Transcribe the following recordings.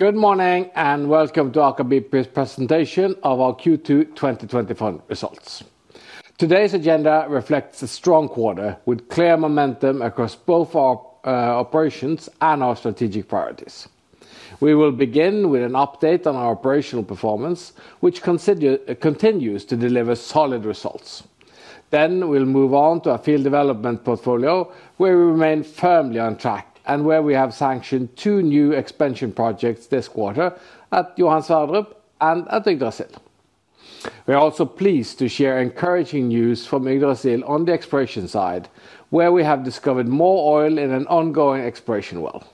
Good morning and welcome to Aker BP's presentation of our Q2 2024 results. Today's agenda reflects a strong quarter, with clear momentum across both our operations and our strategic priorities. We will begin with an update on our operational performance, which continues to deliver solid results. We will move on to our field development portfolio, where we remain firmly on track and where we have sanctioned two new expansion projects this quarter at Johan Sverdrup and at Yggdrasil. We are also pleased to share encouraging news from Yggdrasil on the exploration side, where we have discovered more oil in an ongoing exploration well.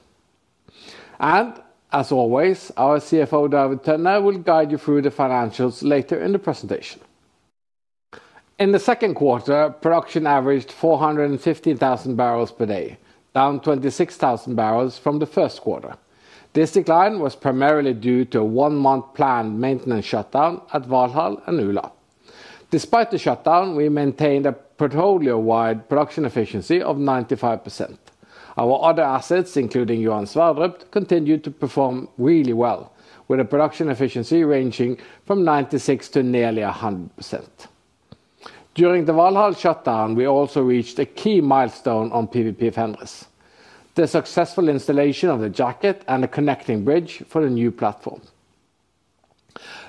As always, our CFO, David Tønne, will guide you through the financials later in the presentation. In the second quarter, production averaged 415,000 barrels per day, down 26,000 barrels from the first quarter. This decline was primarily due to a one-month planned maintenance shutdown at Valhall and Ula. Despite the shutdown, we maintained a portfolio-wide production efficiency of 95%. Our other assets, including Johan Sverdrup, continued to perform really well, with a production efficiency ranging from 96% to nearly 100%. During the Valhall shutdown, we also reached a key milestone on PVP-Fenris: the successful installation of the jacket and the connecting bridge for the new platform.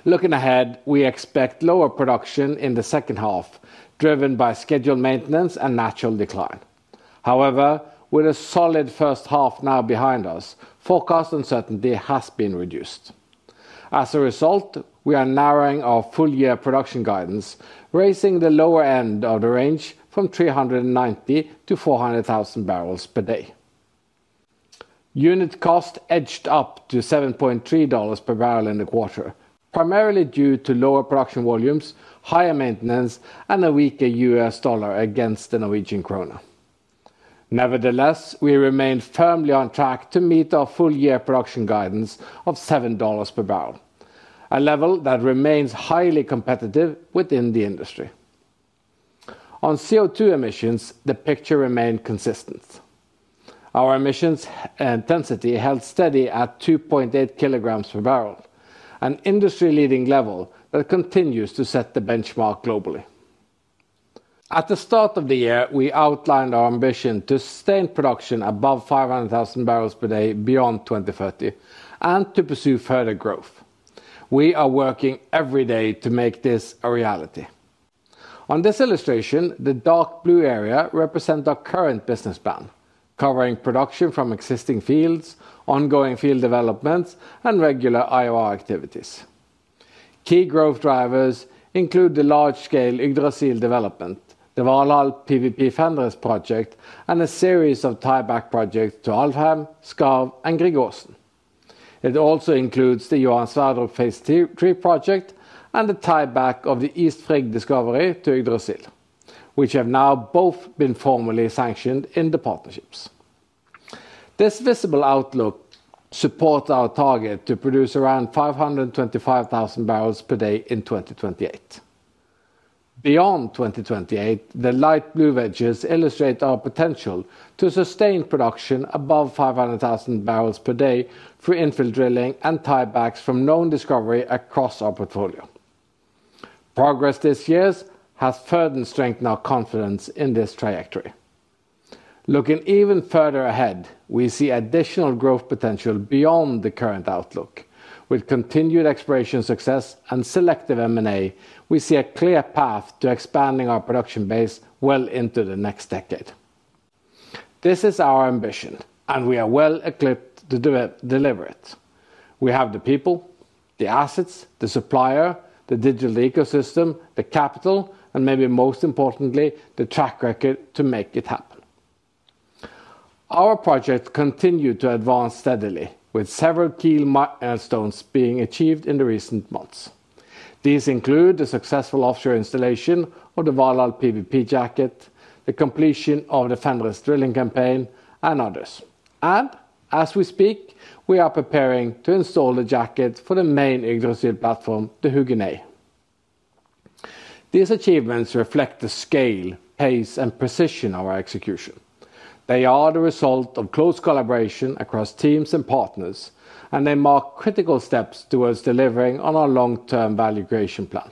Looking ahead, we expect lower production in the second half, driven by scheduled maintenance and natural decline. However, with a solid first half now behind us, forecast uncertainty has been reduced. As a result, we are narrowing our full-year production guidance, raising the lower end of the range from 390,000 to 400,000 barrels per day. Unit cost edged up to $7.30 per barrel in the quarter, primarily due to lower production volumes, higher maintenance, and a weaker US dollar against the Norwegian krone. Nevertheless, we remain firmly on track to meet our full-year production guidance of $7 per barrel, a level that remains highly competitive within the industry. On CO2 emissions, the picture remained consistent. Our emissions intensity held steady at 2.8 kg per barrel, an industry-leading level that continues to set the benchmark globally. At the start of the year, we outlined our ambition to sustain production above 500,000 barrels per day beyond 2030 and to pursue further growth. We are working every day to make this a reality. On this illustration, the dark blue area represents our current business plan, covering production from existing fields, ongoing field developments, and regular IOR activities. Key growth drivers include the large-scale Yggdrasil development, the Valhall PVP-Fenris project, and a series of tieback projects to Alvheim, Skarv, and Gregorsen. It also includes the Johan Sverdrup phase 3 project and the tieback of the East Frigg discovery to Yggdrasil, which have now both been formally sanctioned in the partnerships. This visible outlook supports our target to produce around 525,000 barrels per day in 2028. Beyond 2028, the light blue wedges illustrate our potential to sustain production above 500,000 barrels per day through infill drilling and tiebacks from known discovery across our portfolio. Progress this year has further strengthened our confidence in this trajectory. Looking even further ahead, we see additional growth potential beyond the current outlook. With continued exploration success and selective M&A, we see a clear path to expanding our production base well into the next decade. This is our ambition, and we are well equipped to deliver it. We have the people, the assets, the supplier, the digital ecosystem, the capital, and maybe most importantly, the track record to make it happen. Our projects continue to advance steadily, with several key milestones being achieved in the recent months. These include the successful offshore installation of the Valhall PVP jacket, the completion of the Fenris drilling campaign, and others. As we speak, we are preparing to install the jacket for the main Yggdrasil platform, the Huginn. These achievements reflect the scale, pace, and precision of our execution. They are the result of close collaboration across teams and partners, and they mark critical steps towards delivering on our long-term value creation plan.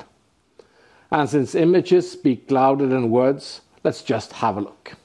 Since images speak louder than words, let's just have a look.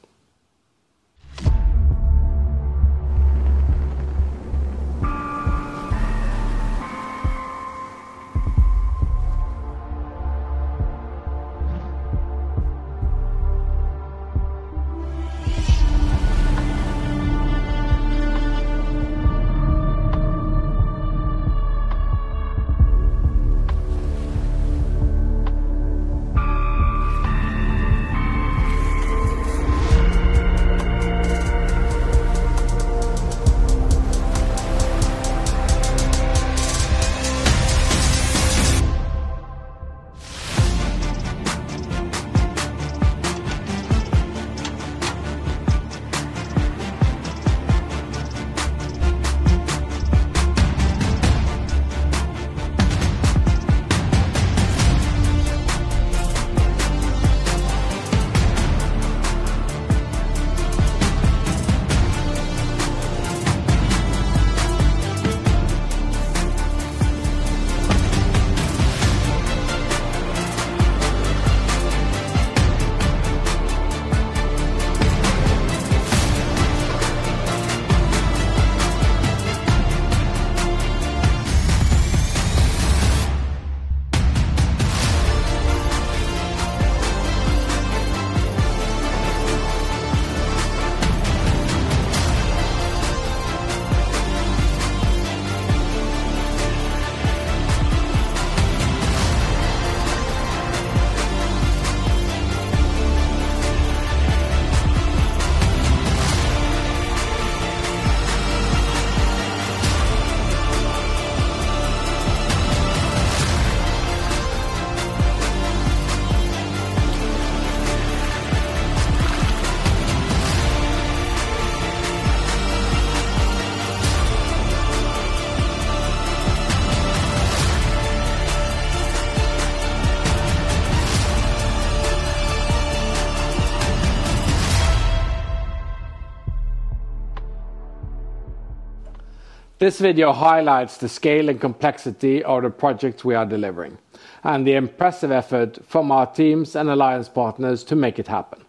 This video highlights the scale and complexity of the projects we are delivering, and the impressive effort from our teams and alliance partners to make it happen.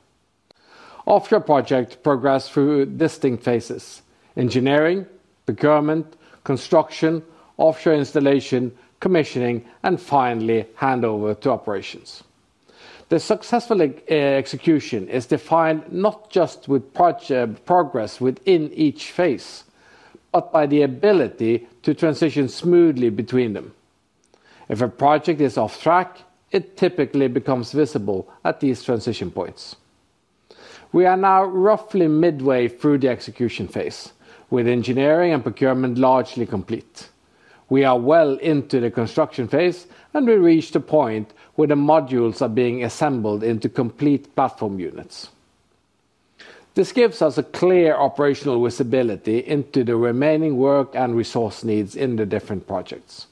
Offshore projects progress through distinct phases: engineering, procurement, construction, offshore installation, commissioning, and finally handover to operations. The successful execution is defined not just with project progress within each phase, but by the ability to transition smoothly between them. If a project is off track, it typically becomes visible at these transition points. We are now roughly midway through the execution phase, with engineering and procurement largely complete. We are well into the construction phase, and we reached a point where the modules are being assembled into complete platform units. This gives us a clear operational visibility into the remaining work and resource needs in the different projects.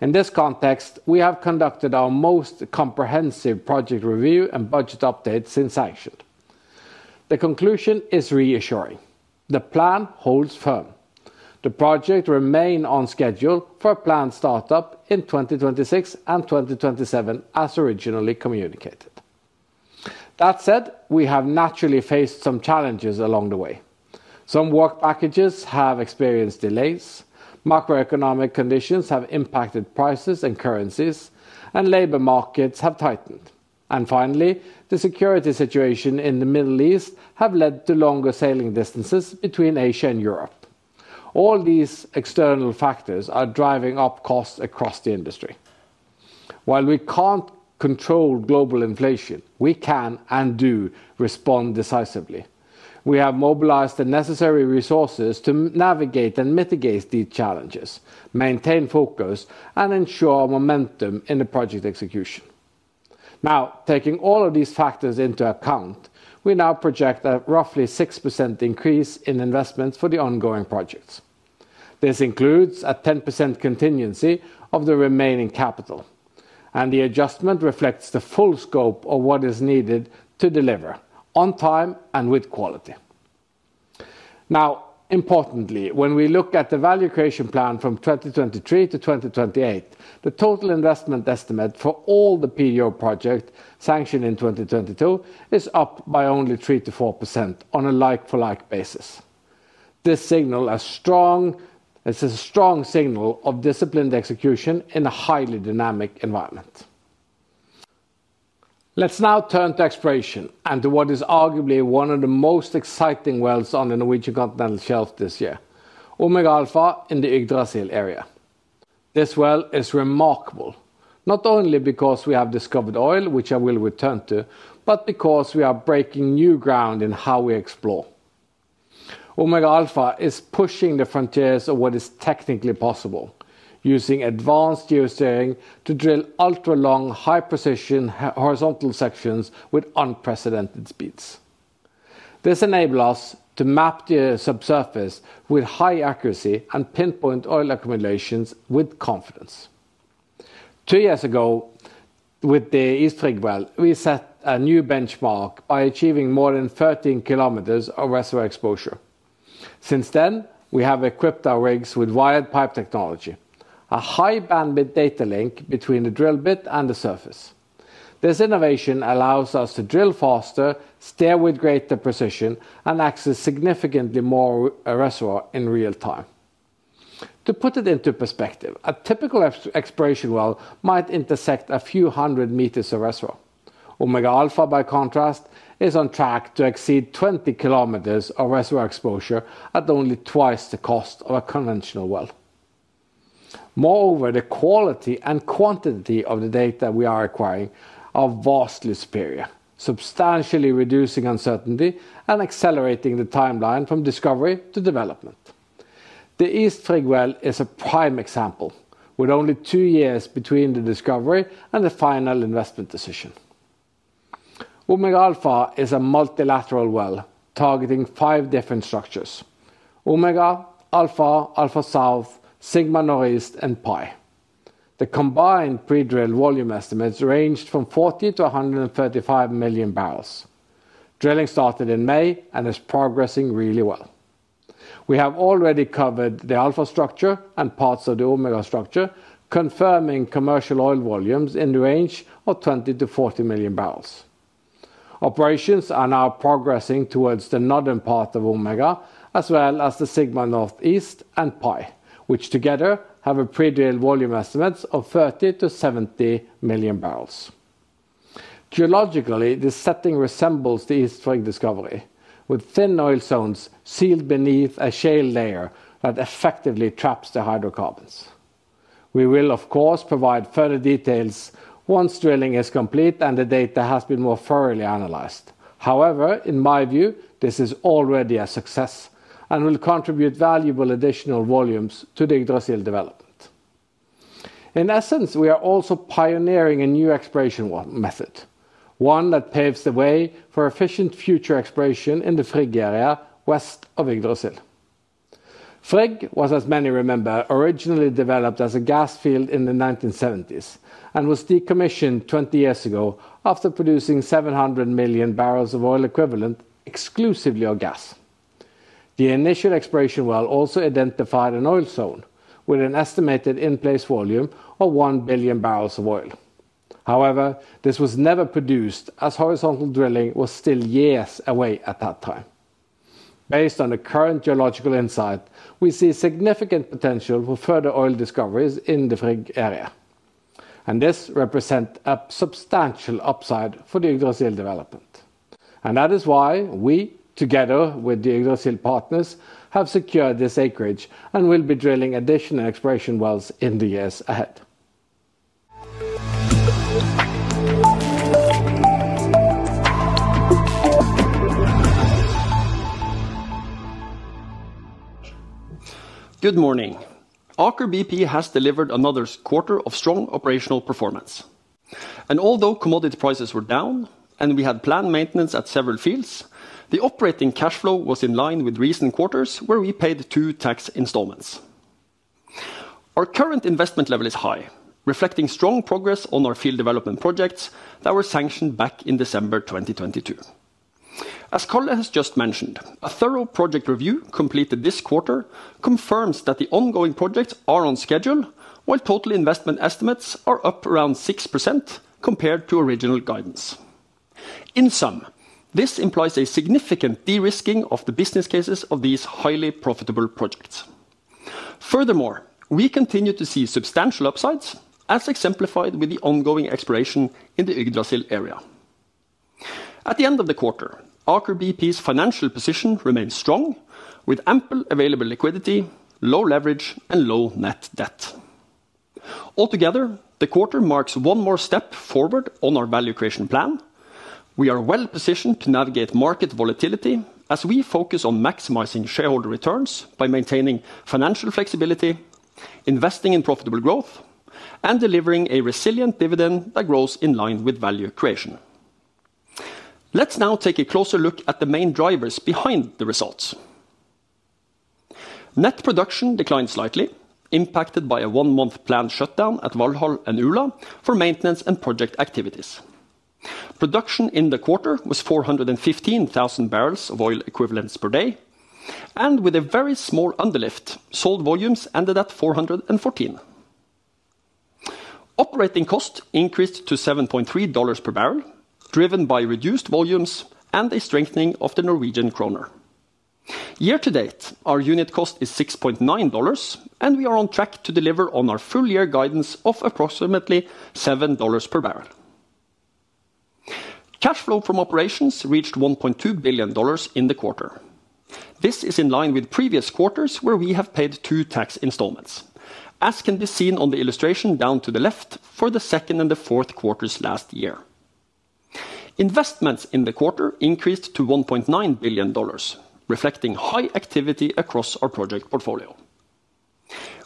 In this context, we have conducted our most comprehensive project review and budget update since action. The conclusion is reassuring: the plan holds firm. The projects remain on schedule for planned startup in 2026 and 2027, as originally communicated. That said, we have naturally faced some challenges along the way. Some work packages have experienced delays, macroeconomic conditions have impacted prices and currencies, and labor markets have tightened. Finally, the security situation in the Middle East has led to longer sailing distances between Asia and Europe. All these external factors are driving up costs across the industry. While we can't control global inflation, we can and do respond decisively. We have mobilized the necessary resources to navigate and mitigate these challenges, maintain focus, and ensure momentum in the project execution. Now, taking all of these factors into account, we now project a roughly 6% increase in investments for the ongoing projects. This includes a 10% contingency of the remaining capital, and the adjustment reflects the full scope of what is needed to deliver on time and with quality. Now, importantly, when we look at the value creation plan from 2023 to 2028, the total investment estimate for all the PDO projects sanctioned in 2022 is up by only 3%-4% on a like-for-like basis. This signal is a strong signal of disciplined execution in a highly dynamic environment. Let's now turn to exploration and to what is arguably one of the most exciting wells on the Norwegian continental shelf this year, Omega Alpha in the Yggdrasil area. This well is remarkable, not only because we have discovered oil, which I will return to, but because we are breaking new ground in how we explore. Omega Alpha is pushing the frontiers of what is technically possible, using advanced geosteering to drill ultra-long, high-precision horizontal sections with unprecedented speeds. This enables us to map the subsurface with high accuracy and pinpoint oil accumulations with confidence. Two years ago, with the East Frigg well, we set a new benchmark by achieving more than 13 km of reservoir exposure. Since then, we have equipped our rigs with wired pipe technology, a high-bandwidth data link between the drill bit and the surface. This innovation allows us to drill faster, steer with greater precision, and access significantly more reservoir in real time. To put it into perspective, a typical exploration well might intersect a few hundred meters of reservoir. Omega Alpha, by contrast, is on track to exceed 20 km of reservoir exposure at only twice the cost of a conventional well. Moreover, the quality and quantity of the data we are acquiring are vastly superior, substantially reducing uncertainty and accelerating the timeline from discovery to development. The East Frigg well is a prime example, with only two years between the discovery and the final investment decision. Omega Alpha is a multilateral well targeting five different structures: Omega, Alpha, Alpha South, Sigma NorEast, and Pi. The combined pre-drill volume estimates ranged from 40-135 million barrels. Drilling started in May and is progressing really well. We have already covered the Alpha structure and parts of the Omega structure, confirming commercial oil volumes in the range of 20-40 million barrels. Operations are now progressing towards the northern part of Omega, as well as the Sigma Northeast and Pi, which together have a pre-drill volume estimate of 30-70 million barrels. Geologically, this setting resembles the East Frigg discovery, with thin oil zones sealed beneath a shale layer that effectively traps the hydrocarbons. We will, of course, provide further details once drilling is complete and the data has been more thoroughly analyzed. However, in my view, this is already a success and will contribute valuable additional volumes to the Yggdrasil development. In essence, we are also pioneering a new exploration method, one that paves the way for efficient future exploration in the Frigg area, west of Yggdrasil. Frigg was, as many remember, originally developed as a gas field in the 1970s and was decommissioned 20 years ago after producing 700 million barrels of oil equivalent exclusively of gas. The initial explordation well also identified an oil zone with an estimated in-place volume of 1 billion barrels of oil. However, this was never produced as horizontal drilling was still years away at that time. Based on the current geological insight, we see significant potential for further oil discoveries in the Frigg area, and this represents a substantial upside for the Yggdrasil development. That is why we, together with the Yggdrasil partners, have secured this acreage and will be drilling additional exploration wells in the years ahead. Good morning. Aker BP has delivered another quarter of strong operational performance. Although commodity prices were down and we had planned maintenance at several fields, the operating cash flow was in line with recent quarters where we paid two tax installments. Our current investment level is high, reflecting strong progress on our field development projects that were sanctioned back in December 2022. As Carla has just mentioned, a thorough project review completed this quarter confirms that the ongoing projects are on schedule, while total investment estimates are up around 6% compared to original guidance. In sum, this implies a significant de-risking of the business cases of these highly profitable projects. Furthermore, we continue to see substantial upsides, as exemplified with the ongoing exploration in the Yggdrasil area. At the end of the quarter, Aker BP's financial position remains strong, with ample available liquidity, low leverage, and low net debt. Altogether, the quarter marks one more step forward on our value creation plan. We are well positioned to navigate market volatility as we focus on maximizing shareholder returns by maintaining financial flexibility, investing in profitable growth, and delivering a resilient dividend that grows in line with value creation. Let's now take a closer look at the main drivers behind the results. Net production declined slightly, impacted by a one-month planned shutdown at Valhall and Ula for maintenance and project activities. Production in the quarter was 415,000 barrels of oil equivalent per day, and with a very small underlift, sold volumes ended at 414,000. Operating cost increased to $7.3 per barrel, driven by reduced volumes and a strengthening of the Norwegian krone. Year to date, our unit cost is $6.9, and we are on track to deliver on our full-year guidance of approximately $7 per barrel. Cash flow from operations reached $1.2 billion in the quarter. This is in line with previous quarters where we have paid two tax installments, as can be seen on the illustration down to the left for the second and the fourth quarters last year. Investments in the quarter increased to $1.9 billion, reflecting high activity across our project portfolio.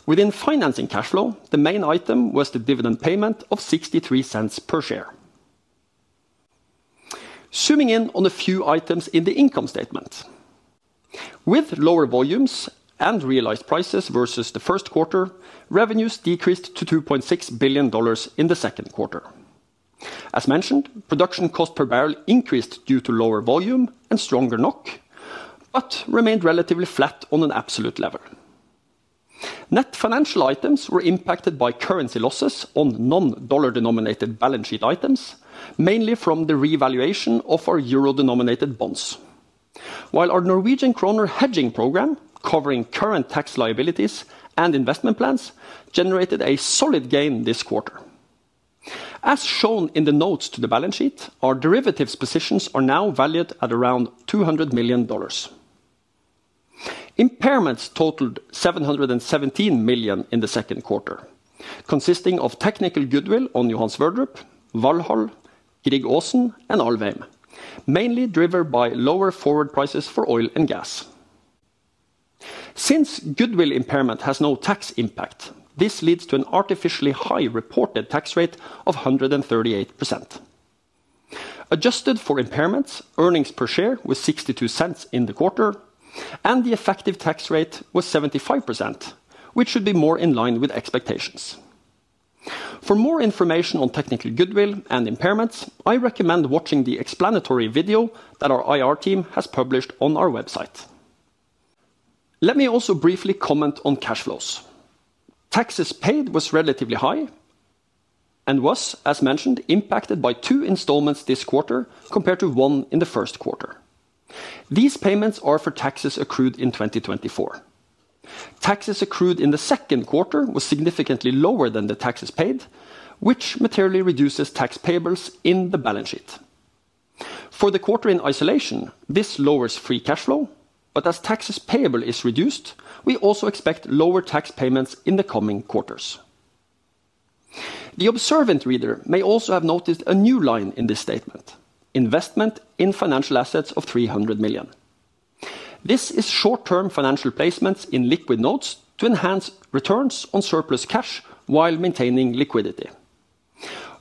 Within financing cash flow, the main item was the dividend payment of $0.63 per share. Zooming in on a few items in the income statement. With lower volumes and realized prices versus the first quarter, revenues decreased to $2.6 billion in the second quarter. As mentioned, production cost per barrel increased due to lower volume and stronger NOK, but remained relatively flat on an absolute level. Net financial items were impacted by currency losses on non-dollar denominated balance sheet items, mainly from the revaluation of our euro-denominated bonds, while our Norwegian krone hedging program, covering current tax liabilities and investment plans, generated a solid gain this quarter. As shown in the notes to the balance sheet, our derivatives positions are now valued at around $200 million. Impairments totaled $717 million in the second quarter, consisting of technical goodwill on Johan Sverdrup, Valhall, Grieg Aasen and Alvheim, mainly driven by lower forward prices for oil and gas. Since goodwill impairment has no tax impact, this leads to an artificially high reported tax rate of 138%. Adjusted for impairments, earnings per share was $0.62 in the quarter, and the effective tax rate was 75%, which should be more in line with expectations. For more information on technical goodwill and impairments, I recommend watching the explanatory video that our IR team has published on our website. Let me also briefly comment on cash flows. Taxes paid was relatively high. It was, as mentioned, impacted by two installments this quarter compared to one in the first quarter. These payments are for taxes accrued in 2024. Taxes accrued in the second quarter was significantly lower than the taxes paid, which materially reduces tax payables in the balance sheet. For the quarter in isolation, this lowers free cash flow, but as tax payable is reduced, we also expect lower tax payments in the coming quarters. The observant reader may also have noticed a new line in this statement: investment in financial assets of 300 million. This is short-term financial placements in liquid notes to enhance returns on surplus cash while maintaining liquidity.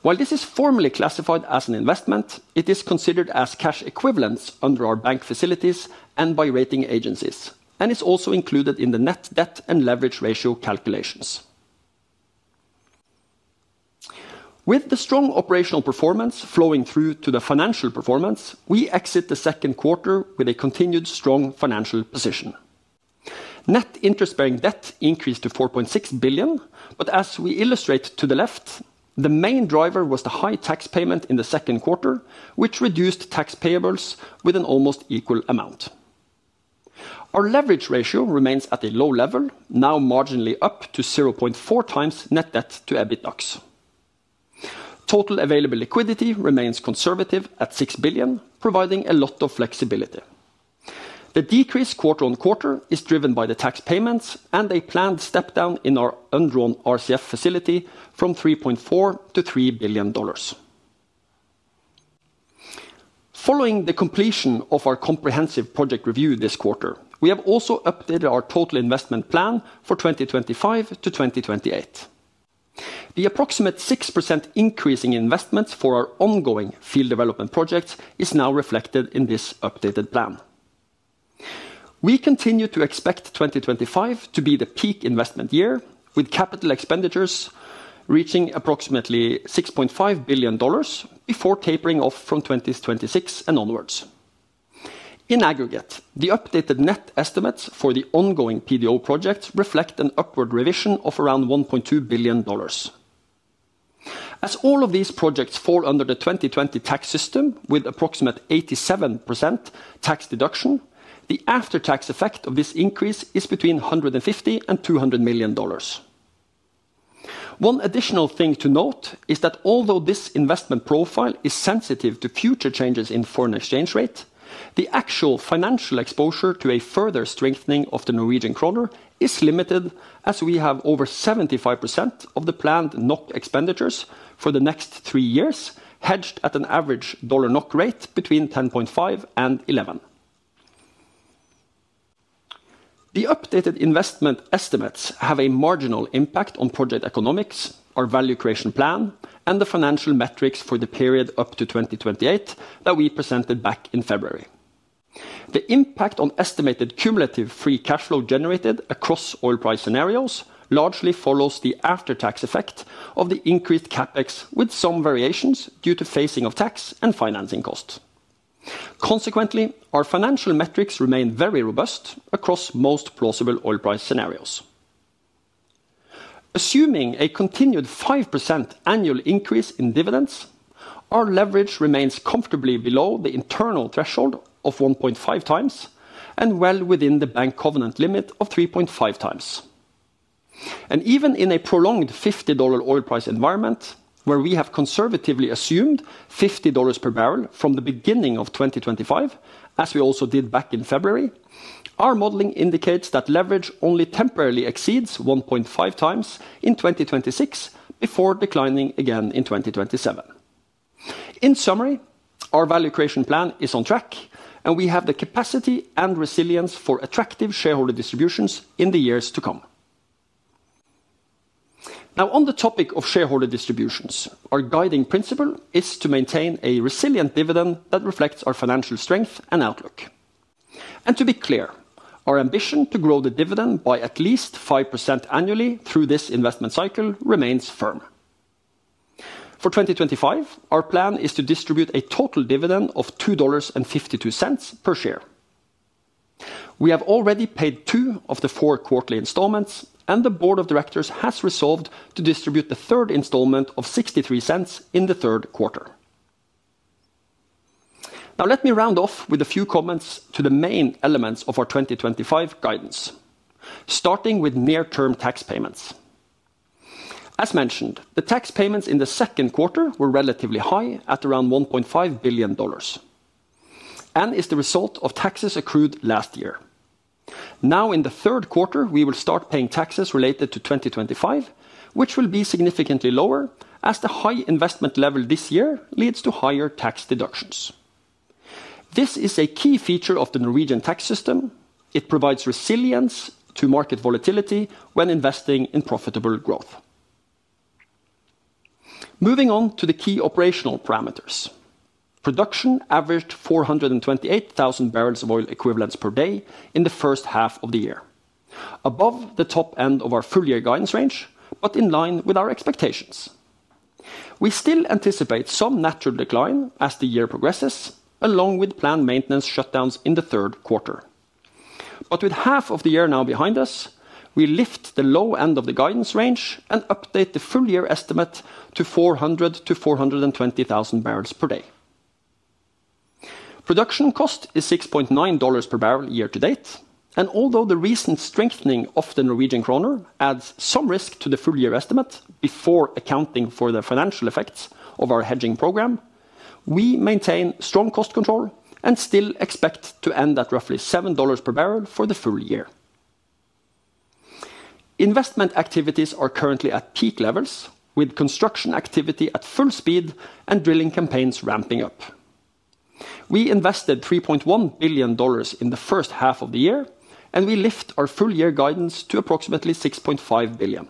While this is formally classified as an investment, it is considered as cash equivalents under our bank facilities and by rating agencies, and is also included in the net debt and leverage ratio calculations. With the strong operational performance flowing through to the financial performance, we exit the second quarter with a continued strong financial position. Net interest-bearing debt increased to $4.6 billion, but as we illustrate to the left, the main driver was the high tax payment in the second quarter, which reduced tax payables with an almost equal amount. Our leverage ratio remains at a low level, now marginally up to 0.4 times net debt to EBITDA. Total available liquidity remains conservative at $6 billion, providing a lot of flexibility. The decrease quarter on quarter is driven by the tax payments and a planned step down in our undrawn RCF facility from $3.4 billion-$3 billion. Following the completion of our comprehensive project review this quarter, we have also updated our total investment plan for 2025-2028. The approximate 6% increase in investments for our ongoing field development projects is now reflected in this updated plan. We continue to expect 2025 to be the peak investment year, with capital expenditures reaching approximately $6.5 billion before tapering off from 2026 and onwards. In aggregate, the updated net estimates for the ongoing PDO projects reflect an upward revision of around $1.2 billion. As all of these projects fall under the 2020 tax system with approximate 87% tax deduction, the after-tax effect of this increase is between $150 million and $200 million. One additional thing to note is that although this investment profile is sensitive to future changes in foreign exchange rate, the actual financial exposure to a further strengthening of the Norwegian krone is limited, as we have over 75% of the planned NOK expenditures for the next three years hedged at an average dollar NOK rate between 10.5 and 11. The updated investment estimates have a marginal impact on project economics, our value creation plan, and the financial metrics for the period up to 2028 that we presented back in February. The impact on estimated cumulative free cash flow generated across oil price scenarios largely follows the after-tax effect of the increased CapEx, with some variations due to phasing of tax and financing costs. Consequently, our financial metrics remain very robust across most plausible oil price scenarios. Assuming a continued 5% annual increase in dividends, our leverage remains comfortably below the internal threshold of 1.5 times and well within the bank covenant limit of 3.5 times. Even in a prolonged $50 oil price environment, where we have conservatively assumed $50 per barrel from the beginning of 2025, as we also did back in February, our modeling indicates that leverage only temporarily exceeds 1.5 times in 2026 before declining again in 2027. In summary, our value creation plan is on track, and we have the capacity and resilience for attractive shareholder distributions in the years to come. Now, on the topic of shareholder distributions, our guiding principle is to maintain a resilient dividend that reflects our financial strength and outlook. To be clear, our ambition to grow the dividend by at least 5% annually through this investment cycle remains firm. For 2025, our plan is to distribute a total dividend of $2.52 per share. We have already paid two of the four quarterly installments, and the Board of Directors has resolved to distribute the third installment of $0.63 in the third quarter. Now, let me round off with a few comments to the main elements of our 2025 guidance, starting with near-term tax payments. As mentioned, the tax payments in the second quarter were relatively high at around $1.5 billion. It is the result of taxes accrued last year. Now, in the third quarter, we will start paying taxes related to 2025, which will be significantly lower as the high investment level this year leads to higher tax deductions. This is a key feature of the Norwegian tax system. It provides resilience to market volatility when investing in profitable growth. Moving on to the key operational parameters, production averaged 428,000 barrels of oil equivalent per day in the first half of the year, above the top end of our full-year guidance range, but in line with our expectations. We still anticipate some natural decline as the year progresses, along with planned maintenance shutdowns in the third quarter. With half of the year now behind us, we lift the low end of the guidance range and update the full-year estimate to 400,000-420,000 barrels per day. Production cost is $6.9 per barrel year to date, and although the recent strengthening of the Norwegian krone adds some risk to the full-year estimate before accounting for the financial effects of our hedging program, we maintain strong cost control and still expect to end at roughly $7 per barrel for the full year. Investment activities are currently at peak levels, with construction activity at full speed and drilling campaigns ramping up. We invested $3.1 billion in the first half of the year, and we lift our full-year guidance to approximately $6.5 billion.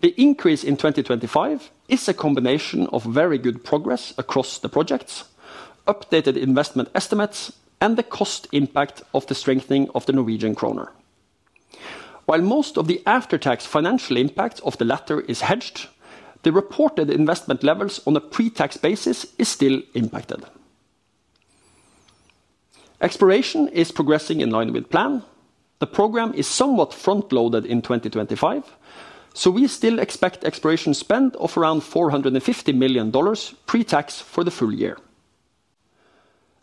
The increase in 2025 is a combination of very good progress across the projects, updated investment estimates, and the cost impact of the strengthening of the Norwegian krone. While most of the after-tax financial impact of the latter is hedged, the reported investment levels on a pre-tax basis are still impacted. Exploration is progressing in line with plan. The program is somewhat front-loaded in 2025, so we still expect exploration spend of around $450 million pre-tax for the full year.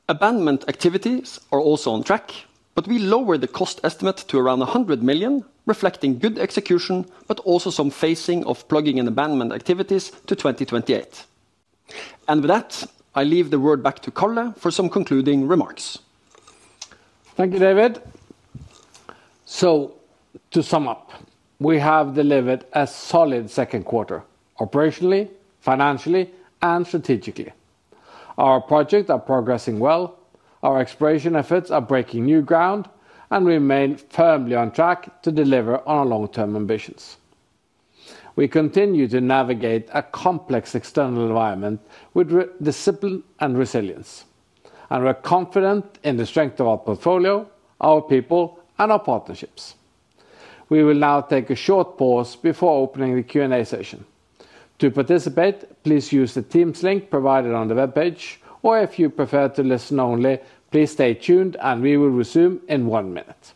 Abandonment activities are also on track, but we lower the cost estimate to around $100 million, reflecting good execution, but also some phasing of plugging and abandonment activities to 2028. With that, I leave the word back to Karl for some concluding remarks. Thank you, David. To sum up, we have delivered a solid second quarter operationally, financially, and strategically. Our projects are progressing well, our exploration efforts are breaking new ground, and we remain firmly on track to deliver on our long-term ambitions. We continue to navigate a complex external environment with discipline and resilience, and we are confident in the strength of our portfolio, our people, and our partnerships. We will now take a short pause before opening the Q&A session. To participate, please use the Teams link provided on the web page, or if you prefer to listen only, please stay tuned, and we will resume in one minute.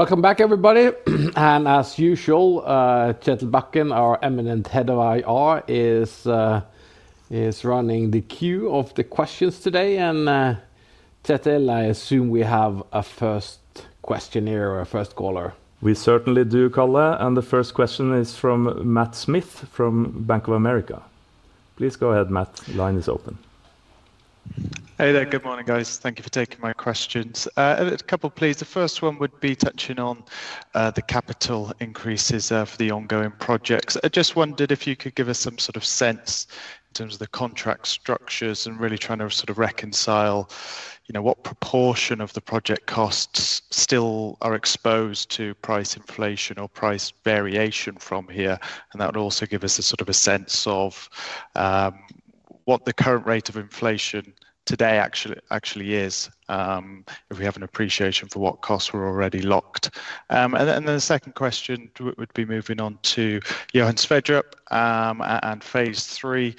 Welcome back, everybody. As usual, Kjetil Bakken, our eminent Head of IR, is running the queue of the questions today. Kjetil, I assume we have a first question here or a first caller. We certainly do, Karl. The first question is from Matt Smith from Bank of America. Please go ahead, Matt. Line is open. Hey there, good morning, guys. Thank you for taking my questions. A couple, please. The first one would be touching on the capital increases for the ongoing projects. I just wondered if you could give us some sort of sense in terms of the contract structures and really trying to sort of reconcile, you know, what proportion of the project costs still are exposed to price inflation or price variation from here. That would also give us a sort of a sense of what the current rate of inflation today actually is. If we have an appreciation for what costs were already locked. The second question would be moving on to Johan Sverdrup and phase three.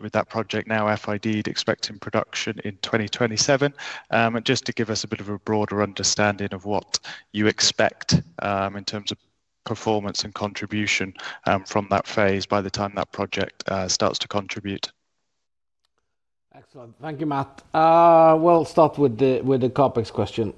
With that project now, FID expecting production in 2027. Just to give us a bit of a broader understanding of what you expect in terms of performance and contribution from that phase by the time that project starts to contribute. Excellent. Thank you, Matt. We'll start with the CapEx question.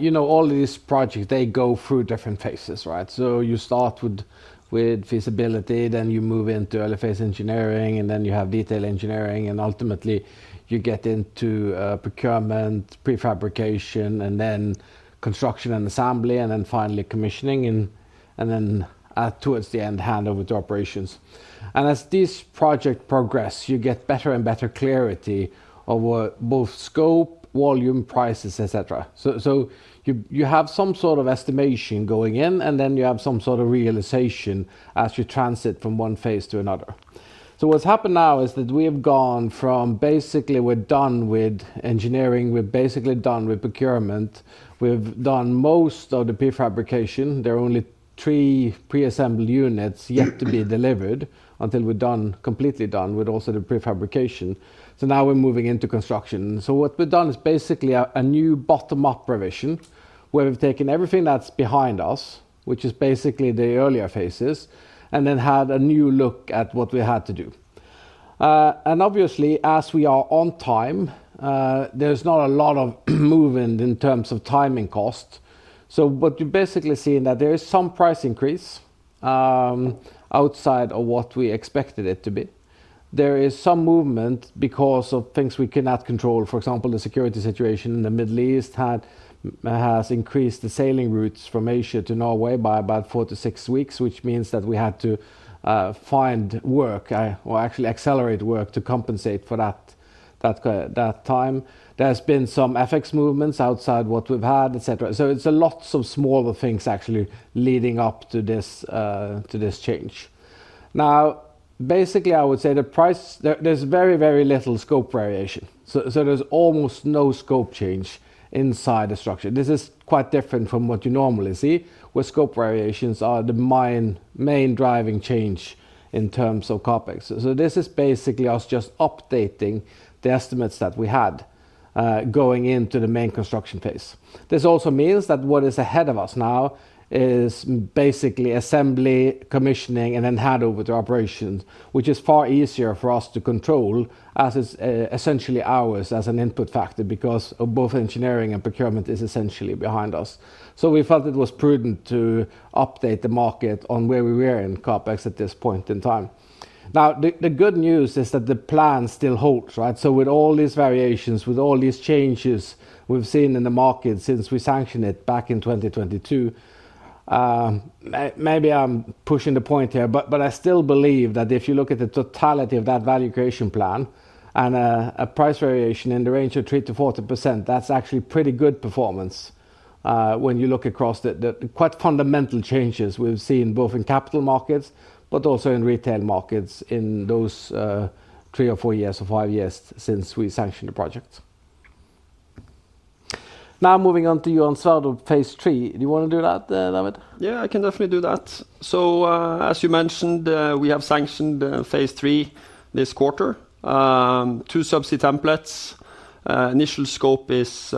You know, all these projects, they go through different phases, right? You start with feasibility, then you move into early phase engineering, and then you have detail engineering, and ultimately you get into procurement, prefabrication, and then construction and assembly, and then finally commissioning, and then towards the end, handover to operations. As these projects progress, you get better and better clarity of both scope, volume, prices, etc. You have some sort of estimation going in, and then you have some sort of realization as you transit from one phase to another. What's happened now is that we have gone from basically we're done with engineering, we're basically done with procurement, we've done most of the prefabrication. There are only three pre-assembled units yet to be delivered until we're completely done with also the prefabrication. Now we're moving into construction. What we've done is basically a new bottom-up revision where we've taken everything that's behind us, which is basically the earlier phases, and then had a new look at what we had to do. Obviously, as we are on time, there's not a lot of movement in terms of timing costs. What you're basically seeing is that there is some price increase outside of what we expected it to be. There is some movement because of things we cannot control. For example, the security situation in the Middle East has increased the sailing routes from Asia to Norway by about four to six weeks, which means that we had to find work or actually accelerate work to compensate for that time. There's been some FX movements outside what we've had, etc. It's lots of smaller things actually leading up to this change. Now, basically, I would say the price, there's very, very little scope variation. So there's almost no scope change inside the structure. This is quite different from what you normally see, where scope variations are the main main driving change in terms of CapEx. So this is basically us just updating the estimates that we had. Going into the main construction phase. This also means that what is ahead of us now is basically assembly, commissioning, and then handover to operations, which is far easier for us to control as it's essentially ours as an input factor because both engineering and procurement is essentially behind us. So we felt it was prudent to update the market on where we were in CapEx at this point in time. Now, the good news is that the plan still holds, right? With all these variations, with all these changes we have seen in the market since we sanctioned it back in 2022, maybe I am pushing the point here, but I still believe that if you look at the totality of that value creation plan and a price variation in the range of 3%-40%, that is actually pretty good performance. When you look across the quite fundamental changes we have seen both in capital markets, but also in retail markets in those three or four years or five years since we sanctioned the project. Now moving on to Johan Sverdrup, phase three. Do you want to do that, David? Yeah, I can definitely do that. As you mentioned, we have sanctioned phase three this quarter. Two subsea templates. Initial scope is.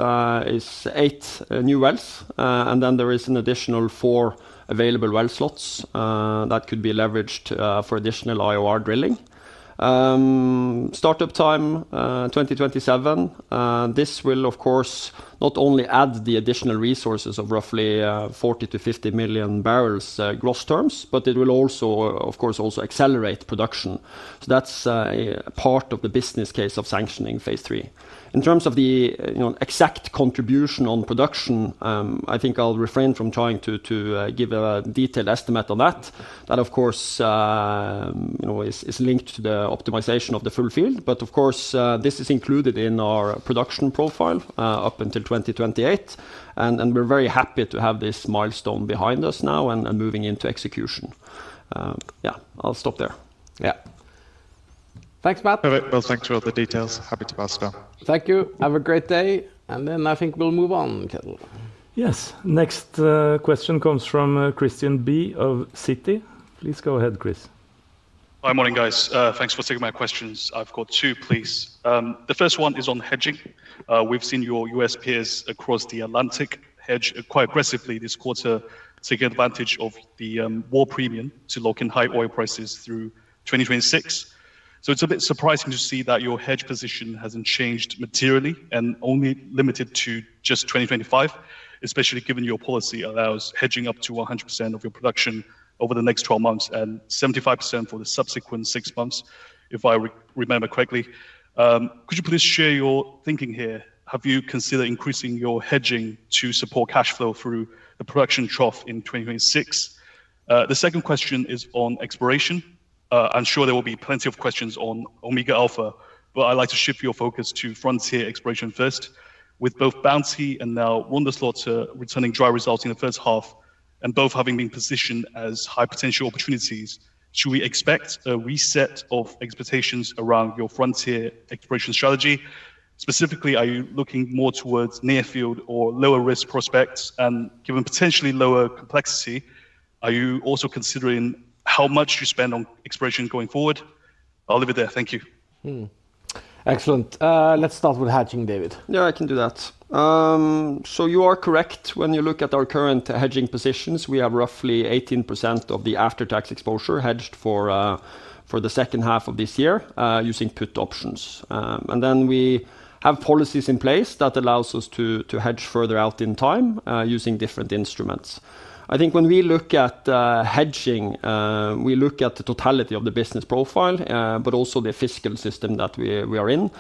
Eight new wells, and then there is an additional four available well slots that could be leveraged for additional IOR drilling. Startup time 2027. This will, of course, not only add the additional resources of roughly 40-50 million barrels gross terms, but it will also, of course, also accelerate production. That is part of the business case of sanctioning phase three. In terms of the exact contribution on production, I think I'll refrain from trying to give a detailed estimate on that. That, of course, is linked to the optimization of the full field. Of course, this is included in our production profile up until 2028. We are very happy to have this milestone behind us now and moving into execution. Yeah, I'll stop there. Yeah. Thanks, Matt. Perfect. Thanks for all the details. Happy to pass it on. Thank you. Have a great day. I think we'll move on, Kjetil. Yes. Next question comes from Christian B of Citi. Please go ahead, Chris. Hi, morning, guys. Thanks for taking my questions. I've got two, please. The first one is on hedging. We've seen your U.S. peers across the Atlantic hedge quite aggressively this quarter to take advantage of the war premium to lock in high oil prices through 2026. It is a bit surprising to see that your hedge position hasn't changed materially and only limited to just 2025, especially given your policy allows hedging up to 100% of your production over the next 12 months and 75% for the subsequent six months, if I remember correctly. Could you please share your thinking here? Have you considered increasing your hedging to support cash flow through the production trough in 2026? The second question is on exploration. I'm sure there will be plenty of questions on Omega Alpha, but I'd like to shift your focus to frontier exploration first. With both Bounty and now Wunder Slotter returning dry results in the first half and both having been positioned as high potential opportunities, should we expect a reset of expectations around your frontier exploration strategy? Specifically, are you looking more towards near field or lower risk prospects? Given potentially lower complexity, are you also considering how much you spend on exploration going forward? I'll leave it there. Thank you. Excellent. Let's start with hedging, David. Yeah, I can do that. You are correct. When you look at our current hedging positions, we have roughly 18% of the after-tax exposure hedged for the second half of this year using put options. We have policies in place that allow us to hedge further out in time using different instruments. I think when we look at hedging, we look at the totality of the business profile, but also the fiscal system that we are in.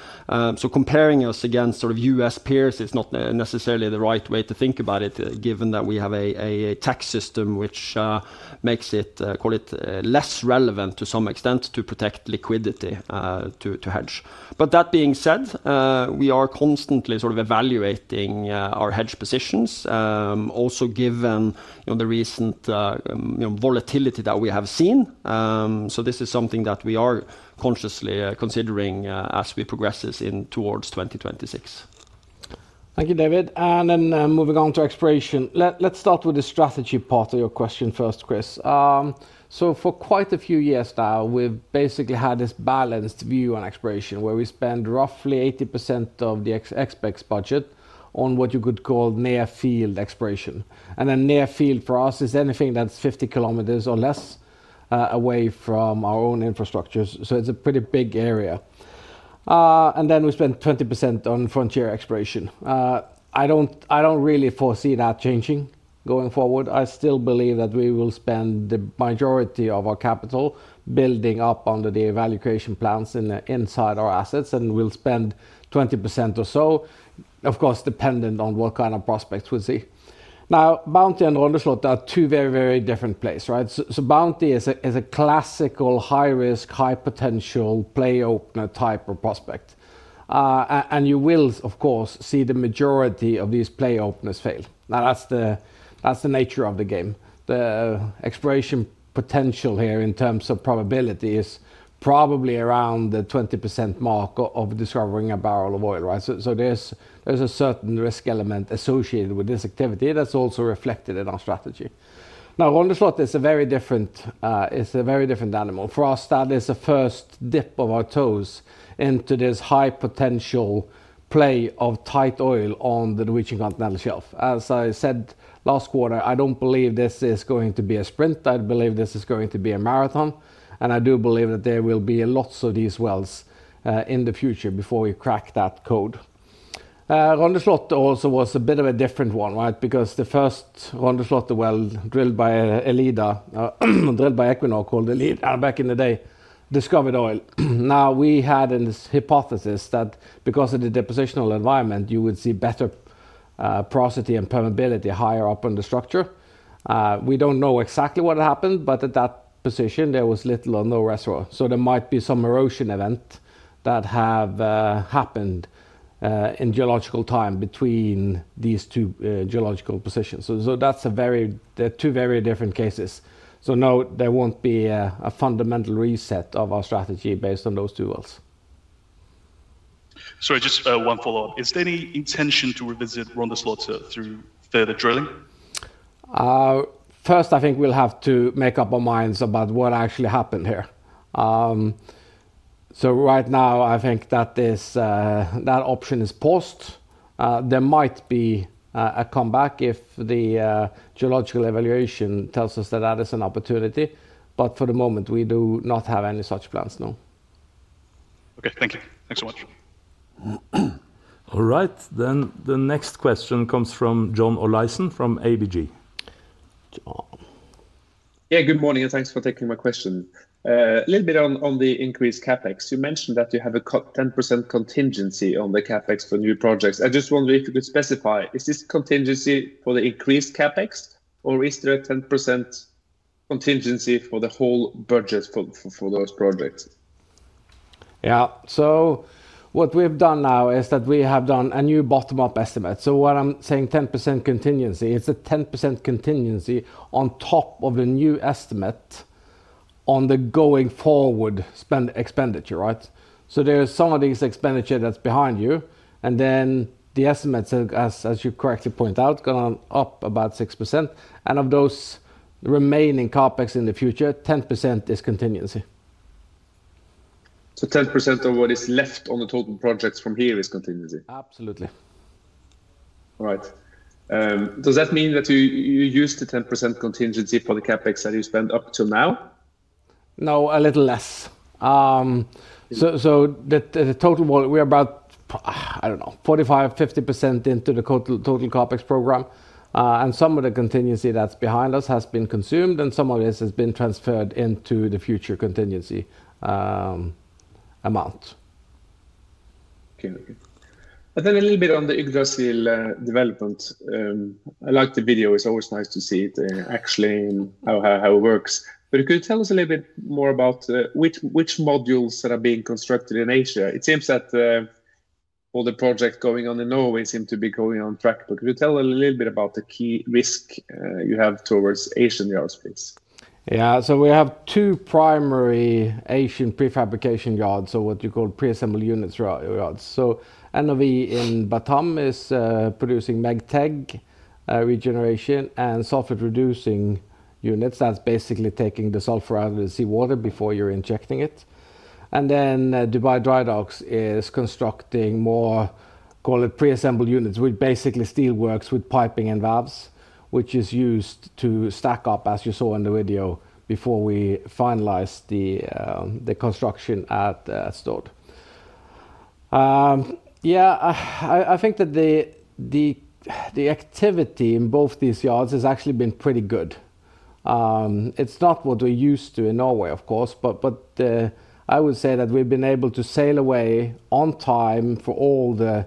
Comparing us against sort of U.S. peers is not necessarily the right way to think about it, given that we have a tax system which makes it, call it, less relevant to some extent to protect liquidity to hedge. That being said, we are constantly sort of evaluating our hedge positions, also given the recent volatility that we have seen. This is something that we are consciously considering as we progress towards 2026. Thank you, David. Moving on to exploration. Let's start with the strategy part of your question first, Chris. For quite a few years now, we've basically had this balanced view on exploration where we spend roughly 80% of the XBEX budget on what you could call near field exploration. Near field for us is anything that's 50 km or less away from our own infrastructure. It's a pretty big area. We spend 20% on frontier exploration. I don't really foresee that changing going forward. I still believe that we will spend the majority of our capital building up under the evaluation plans inside our assets, and we'll spend 20% or so, of course, dependent on what kind of prospects we see. Now, Bounty and Wunder Slotter are two very, very different places, right? Bounty is a classical high-risk, high-potential play opener type of prospect. You will, of course, see the majority of these play openers fail. Now, that's the nature of the game. The exploration potential here in terms of probability is probably around the 20% mark of discovering a barrel of oil, right? There is a certain risk element associated with this activity that's also reflected in our strategy. Now, Wunder Slotter is very different. It's a very different animal. For us, that is the first dip of our toes into this high-potential play of tight oil on the Norwegian continental shelf. As I said last quarter, I don't believe this is going to be a sprint. I believe this is going to be a marathon. I do believe that there will be lots of these wells in the future before we crack that code. Wunder Slotter also was a bit of a different one, right? Because the first Wunder Slotter well drilled by ELIDA, drilled by Equinor called ELIDA back in the day, discovered oil. Now, we had a hypothesis that because of the depositional environment, you would see better porosity and permeability higher up on the structure. We do not know exactly what happened, but at that position, there was little or no reservoir. There might be some erosion event that has happened in geological time between these two geological positions. That is a very, there are two very different cases. No, there will not be a fundamental reset of our strategy based on those two wells. Sorry, just one follow-up. Is there any intention to revisit Wunder Slotter through further drilling? First, I think we will have to make up our minds about what actually happened here. Right now, I think that option is paused. There might be a comeback if the geological evaluation tells us that that is an opportunity. For the moment, we do not have any such plans, no. Okay, thank you. Thanks so much. All right. The next question comes from John Olaisen from ABG. John. Yeah, good morning and thanks for taking my question. A little bit on the increased CapEx. You mentioned that you have a 10% contingency on the CapEx for new projects. I just wonder if you could specify, is this contingency for the increased CapEx or is there a 10% contingency for the whole budget for those projects? Yeah, what we have done now is that we have done a new bottom-up estimate. What I am saying, 10% contingency, it is a 10% contingency on top of the new estimate. On the going forward expenditure, right? There is some of this expenditure that is behind you. The estimates, as you correctly point out, are going up about 6%. Of those remaining CapEx in the future, 10% is contingency. So 10% of what is left on the total projects from here is contingency? Absolutely. All right. Does that mean that you used the 10% contingency for the CapEx that you spent up till now? No, a little less. The total volume, we are about, I do not know, 45-50% into the total CapEx program. Some of the contingency that is behind us has been consumed and some of this has been transferred into the future contingency amount. Okay. A little bit on the Yggdrasil development. I like the video. It is always nice to see it actually and how it works. Could you tell us a little bit more about which modules that are being constructed in Asia? It seems that. All the projects going on in Norway seem to be going on track. Could you tell a little bit about the key risk you have towards Asian yards, please? Yeah, we have two primary Asian prefabrication yards, or what you call pre-assembled units, right? NOV in Batam is producing MEGTEG regeneration and sulfate-reducing units. That is basically taking the sulfur out of the seawater before you are injecting it. Dubai Drydocks is constructing more, call it, pre-assembled units, which is basically steel works with piping and valves, which is used to stack up, as you saw in the video, before we finalize the construction at Stort. I think that the activity in both these yards has actually been pretty good. It is not what we are used to in Norway, of course, but I would say that we have been able to sail away on time for all the.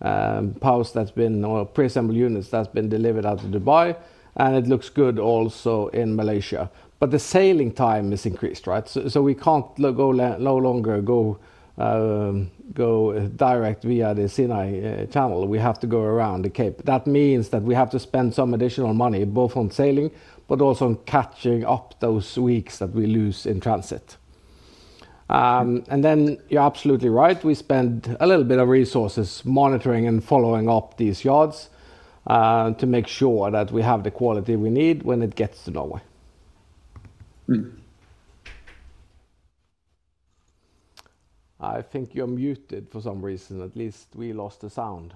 Piles that've been or pre-assembled units that've been delivered out of Dubai. It looks good also in Malaysia. The sailing time is increased, right? We can't go, no longer go direct via the Sinai Channel. We have to go around the Cape. That means that we have to spend some additional money both on sailing, but also on catching up those weeks that we lose in transit. You're absolutely right. We spend a little bit of resources monitoring and following up these yards to make sure that we have the quality we need when it gets to Norway. I think you're muted for some reason. At least we lost the sound.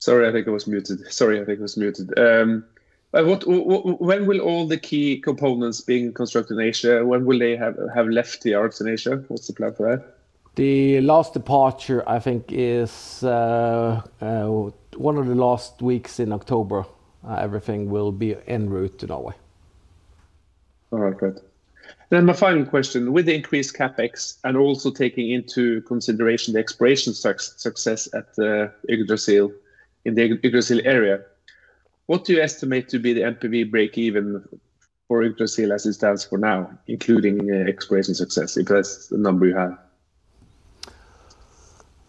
Sorry, I think I was muted. When will all the key components being constructed in Asia, when will they have left the yards in Asia? What's the plan for that? The last departure, I think, is one of the last weeks in October. Everything will be en route to Norway. All right, great. Then my final question. With the increased CapEx and also taking into consideration the exploration success at Yggdrasil in the Yggdrasil area, what do you estimate to be the MPV breakeven for Yggdrasil as it stands for now, including exploration success? If that's the number you have.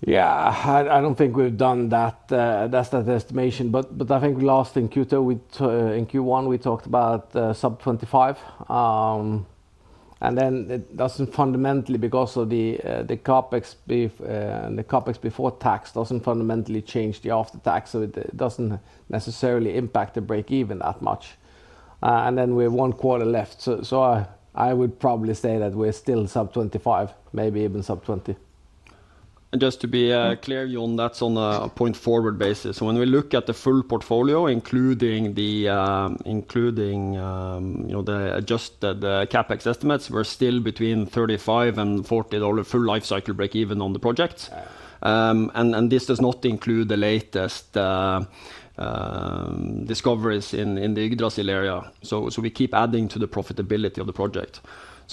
Yeah, I don't think we've done that estimation. But I think last in Q1, we talked about sub-25. It doesn't fundamentally, because of the CapEx before tax, doesn't fundamentally change the after-tax. It doesn't necessarily impact the breakeven that much. We have one quarter left. I would probably say that we're still sub-25, maybe even sub-20. Just to be clear, Jon, that's on a point-forward basis. When we look at the full portfolio, including the adjusted CapEx estimates, we're still between $35-$40 full lifecycle breakeven on the projects. This does not include the latest discoveries in the Yggdrasil area. We keep adding to the profitability of the project.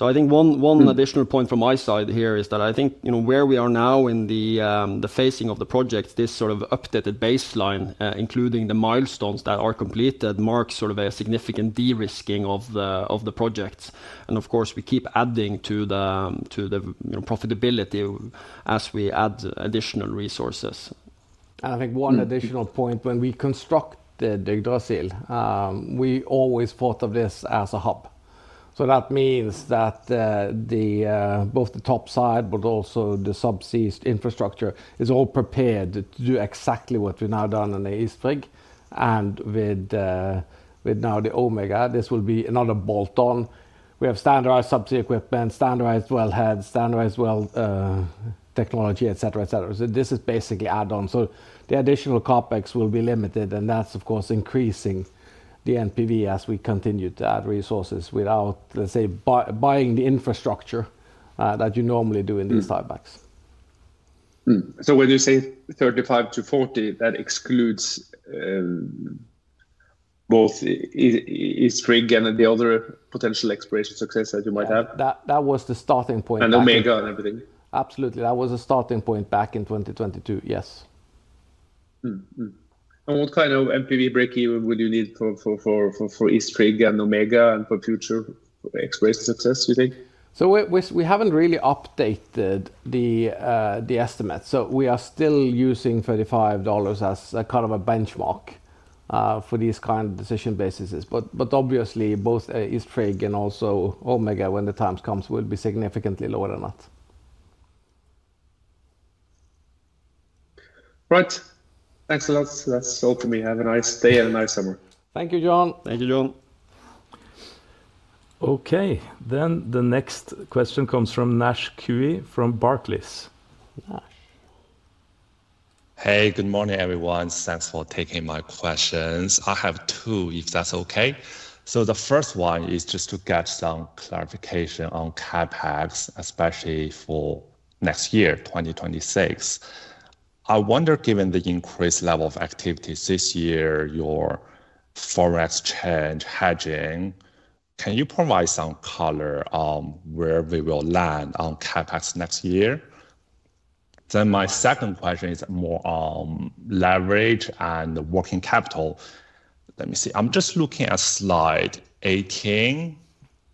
I think one additional point from my side here is that where we are now in the phasing of the project, this sort of updated baseline, including the milestones that are completed, marks a significant de-risking of the projects. Of course, we keep adding to the profitability as we add additional resources. I think one additional point, when we constructed Yggdrasil, we always thought of this as a hub. That means that both the top side, but also the subsea infrastructure, is all prepared to do exactly what we've now done in the East Frigg. Now the Omega, this will be another bolt-on. We have standardized subsea equipment, standardized wellheads, standardized well technology, et cetera, et cetera. This is basically add-on. The additional CapEx will be limited, and that is, of course, increasing the MPV as we continue to add resources without, let's say, buying the infrastructure that you normally do in these Type X. When you say 35-40, that excludes both East Frigg and the other potential exploration success that you might have. That was the starting point. Omega and everything, absolutely. That was a starting point back in 2022, yes. What kind of MPV breakeven would you need for East Frigg and Omega and for future exploration success, do you think? We have not really updated the estimate. We are still using $35 as kind of a benchmark for these kind of decision bases. Obviously, both East Frigg and also Omega, when the time comes, will be significantly lower than that. Right. Thanks a lot. That's all for me. Have a nice day and a nice summer. Thank you, John. Thank you, John. Okay, the next question comes from Naisheng Cui from Barclays. Naisheng. Hey, good morning, everyone. Thanks for taking my questions. I have two, if that's okay. The first one is just to get some clarification on CapEx, especially for next year, 2026. I wonder, given the increased level of activity this year, your forex change hedging, can you provide some color on where we will land on CapEx next year? My second question is more on leverage and working capital. Let me see. I'm just looking at slide 18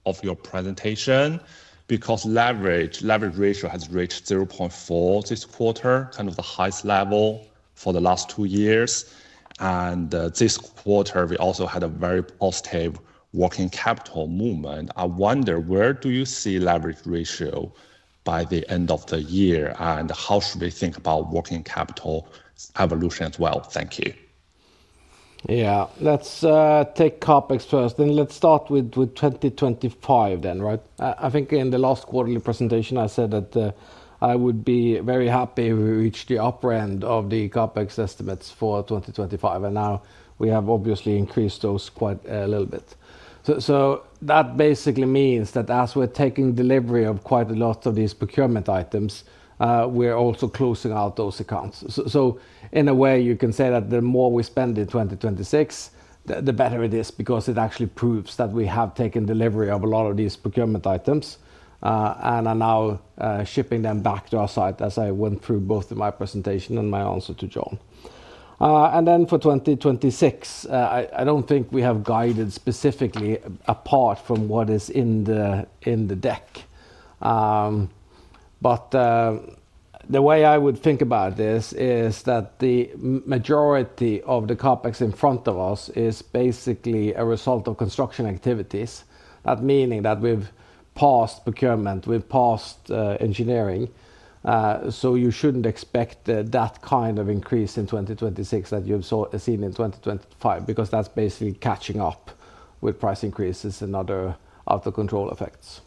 of your presentation because leverage ratio has reached 0.4 this quarter, kind of the highest level for the last two years. This quarter, we also had a very positive working capital movement. I wonder, where do you see leverage ratio by the end of the year, and how should we think about working capital evolution as well? Thank you. Yeah, let's take CapEx first. Let's start with 2025 then, right? I think in the last quarterly presentation, I said that I would be very happy if we reached the upper end of the CapEx estimates for 2025. Now we have obviously increased those quite a little bit. That basically means that as we're taking delivery of quite a lot of these procurement items, we're also closing out those accounts. In a way, you can say that the more we spend in 2026, the better it is because it actually proves that we have taken delivery of a lot of these procurement items and are now shipping them back to our site, as I went through both in my presentation and my answer to John. For 2026, I do not think we have guided specifically apart from what is in the deck. The way I would think about this is that the majority of the CapEx in front of us is basically a result of construction activities, meaning that we have passed procurement, we have passed engineering. You should not expect that kind of increase in 2026 that you have seen in 2025 because that is basically catching up with price increases and other out-of-control effects.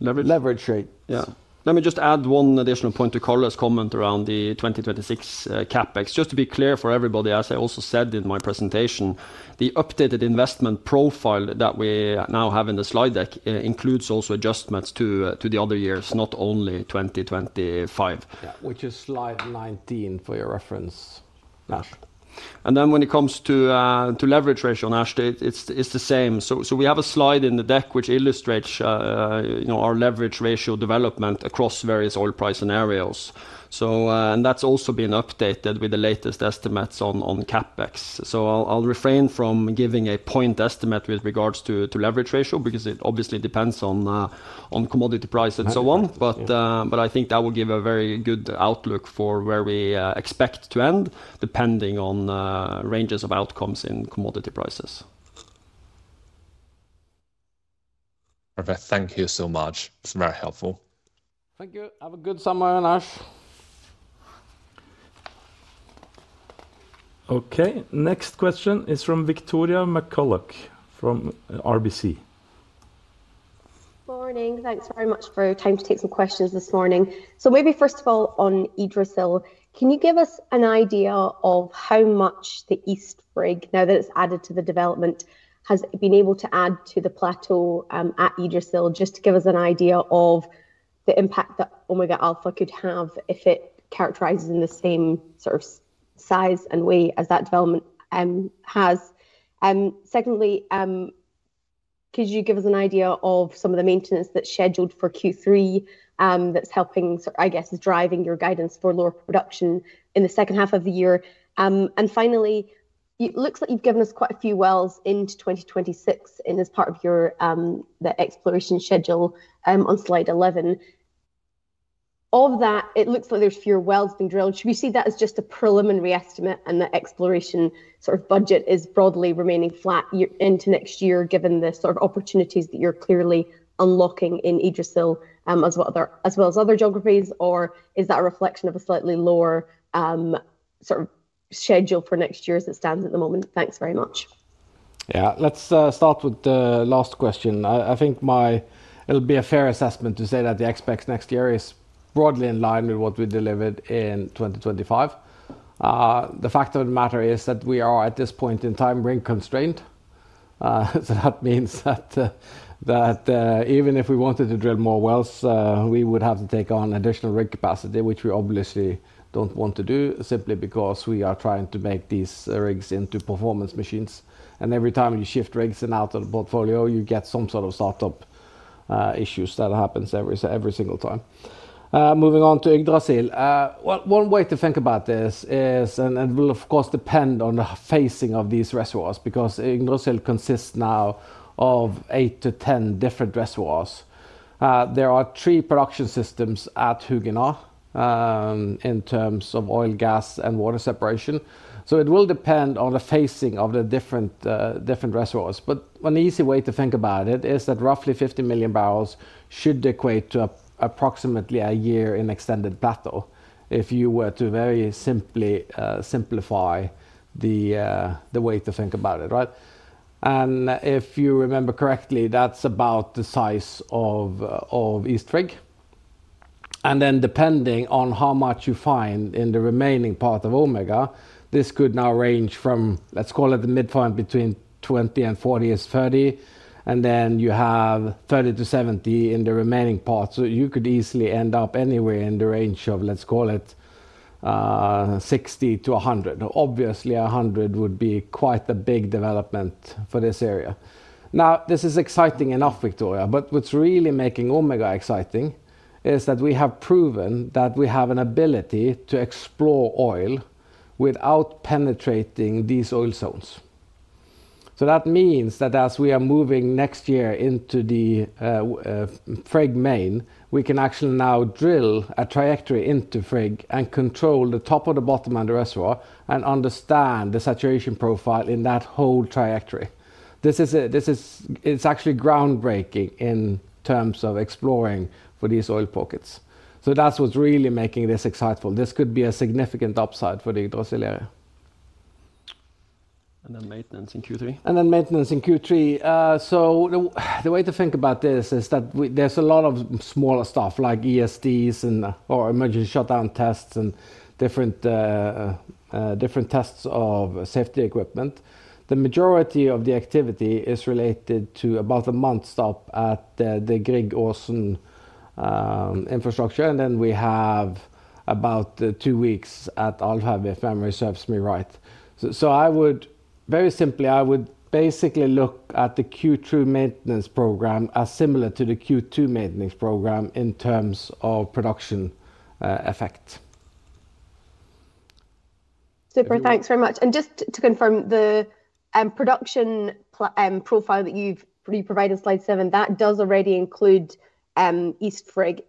Leverage rate. Yeah. Let me just add one additional point to Karl's comment around the 2026 CapEx. Just to be clear for everybody, as I also said in my presentation, the updated investment profile that we now have in the slide deck includes also adjustments to the other years, not only 2025. Yeah, which is slide 19 for your reference Naisheng. When it comes to leverage ratio, Nash, it's the same. We have a slide in the deck which illustrates our leverage ratio development across various oil price scenarios. That's also been updated with the latest estimates on CapEx. I'll refrain from giving a point estimate with regards to leverage ratio because it obviously depends on commodity price and so on. I think that will give a very good outlook for where we expect to end, depending on ranges of outcomes in commodity prices. Perfect. Thank you so much. It's very helpful. Thank you. Have a good summer, Nash. Okay, next question is from Victoria McCulloch from RBC. Morning. Thanks very much for your time to take some questions this morning. Maybe first of all, on Yggdrasil, can you give us an idea of how much the East Frigg, now that it's added to the development, has been able to add to the plateau at Yggdrasil, just to give us an idea of the impact that Omega Alpha could have if it characterizes in the same sort of size and way as that development has? Secondly, could you give us an idea of some of the maintenance that's scheduled for Q3 that's helping, I guess, is driving your guidance for lower production in the second half of the year? Finally, it looks like you've given us quite a few wells into 2026 as part of the exploration schedule on slide 11. Of that, it looks like there's fewer wells being drilled. Should we see that as just a preliminary estimate and the exploration sort of budget is broadly remaining flat into next year, given the sort of opportunities that you're clearly unlocking in Yggdrasil as well as other geographies? Is that a reflection of a slightly lower sort of schedule for next year as it stands at the moment? Thanks very much. Yeah, let's start with the last question. I think it'll be a fair assessment to say that the expect next year is broadly in line with what we delivered in 2025. The fact of the matter is that we are at this point in time rig constrained. That means that. Even if we wanted to drill more wells, we would have to take on additional rig capacity, which we obviously do not want to do, simply because we are trying to make these rigs into performance machines. Every time you shift rigs in and out of the portfolio, you get some sort of startup issues that happen every single time. Moving on to Yggdrasil, one way to think about this is, and it will of course depend on the phasing of these reservoirs because Yggdrasil consists now of 8-10 different reservoirs. There are three production systems at Huginn in terms of oil, gas, and water separation. It will depend on the phasing of the different reservoirs. An easy way to think about it is that roughly 50 million barrels should equate to approximately a year in extended plateau if you were to very simply simplify the way to think about it, right? If you remember correctly, that's about the size of East Frigg. Then depending on how much you find in the remaining part of Omega, this could now range from, let's call it, the midpoint between 20 and 40 is 30. Then you have 30-70 in the remaining part. You could easily end up anywhere in the range of, let's call it, 60-100. Obviously, 100 would be quite a big development for this area. This is exciting enough, Victoria, but what's really making Omega exciting is that we have proven that we have an ability to explore oil without penetrating these oil zones. That means that as we are moving next year into the Frigg main, we can actually now drill a trajectory into Frigg and control the top and the bottom and the reservoir and understand the saturation profile in that whole trajectory. This is actually groundbreaking in terms of exploring for these oil pockets. That is what is really making this exciteful. This could be a significant upside for the Yggdrasil area. Maintenance in Q3. Maintenance in Q3. The way to think about this is that there is a lot of smaller stuff like ESDs or emergency shutdown tests and different tests of safety equipment. The majority of the activity is related to about a month stop at the Frigg Orson infrastructure. Then we have about two weeks at Alvheim, if memory serves me right. Very simply, I would basically look at the Q2 maintenance program as similar to the Q2 maintenance program in terms of production effect. Super. Thanks very much. Just to confirm, the production profile that you've provided in slide seven, that does already include East Frigg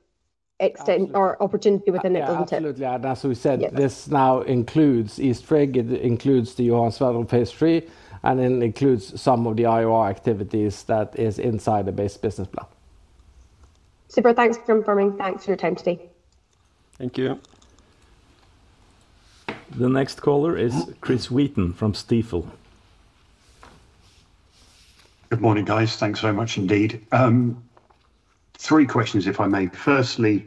opportunity within it, doesn't it? Absolutely. As we said, this now includes East Frigg. It includes the Johan Sverdrup's history and then includes some of the IOR activities that are inside the base business plan. Super. Thanks for confirming. Thanks for your time today. Thank you. The next caller is Chris Wheaton from Stifel. Good morning, guys. Thanks very much indeed. Three questions, if I may. Firstly,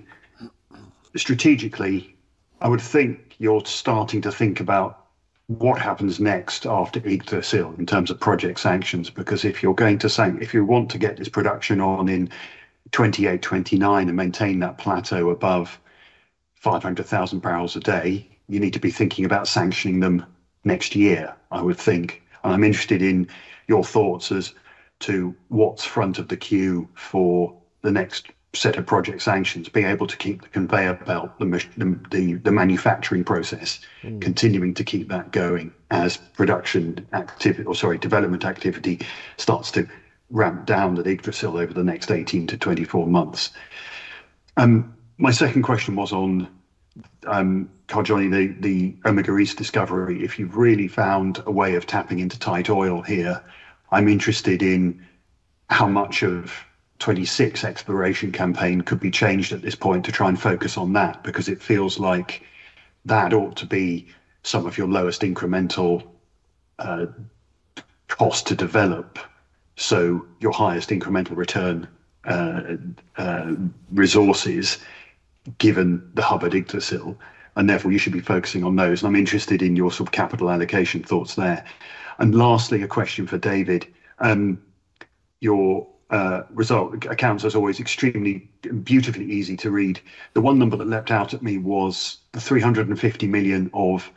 strategically, I would think you're starting to think about what happens next after Yggdrasil in terms of project sanctions. Because if you're going to sanction, if you want to get this production on in 2028, 2029 and maintain that plateau above 500,000 barrels a day, you need to be thinking about sanctioning them next year, I would think. I'm interested in your thoughts as to what's front of the queue for the next set of project sanctions, being able to keep the conveyor belt, the manufacturing process, continuing to keep that going as production activity, or sorry, development activity starts to ramp down at Yggdrasil over the next 18 to 24 months. My second question was on Johnny, the Omega Reese discovery, if you've really found a way of tapping into tight oil here, I'm interested in how much of 2026 exploration campaign could be changed at this point to try and focus on that, because it feels like that ought to be some of your lowest incremental. Cost to develop. Your highest incremental return. Resources, given the hub at Yggdrasil. Therefore, you should be focusing on those. I'm interested in your sort of capital allocation thoughts there. Lastly, a question for David. Your result account is always extremely beautifully easy to read. The one number that leapt out at me was the $350 million of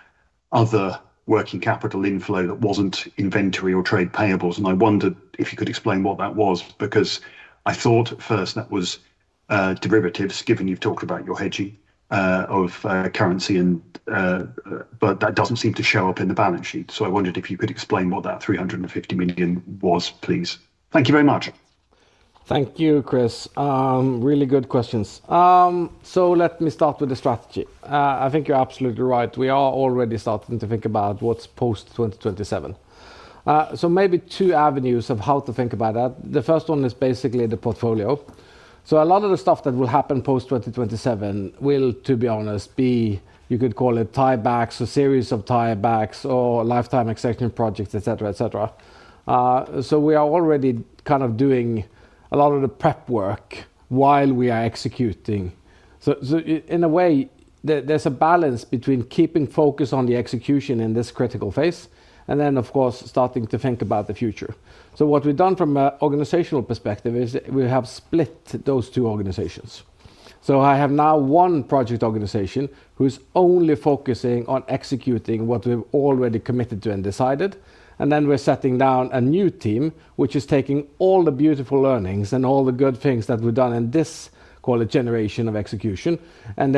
other working capital inflow that was not inventory or trade payables. I wondered if you could explain what that was, because I thought at first that was derivatives, given you have talked about your hedging of currency. That does not seem to show up in the balance sheet. I wondered if you could explain what that $350 million was, please. Thank you very much. Thank you, Chris. Really good questions. Let me start with the strategy. I think you are absolutely right. We are already starting to think about what's post 2027. Maybe two avenues of how to think about that. The first one is basically the portfolio. A lot of the stuff that will happen post 2027 will, to be honest, be, you could call it tiebacks, a series of tiebacks, or lifetime extension projects, etc., etc. We are already kind of doing a lot of the prep work while we are executing. In a way, there's a balance between keeping focus on the execution in this critical phase and then, of course, starting to think about the future. What we've done from an organizational perspective is we have split those two organizations. I have now one project organization who's only focusing on executing what we've already committed to and decided. We are setting down a new team, which is taking all the beautiful learnings and all the good things that we have done in this, call it, generation of execution, and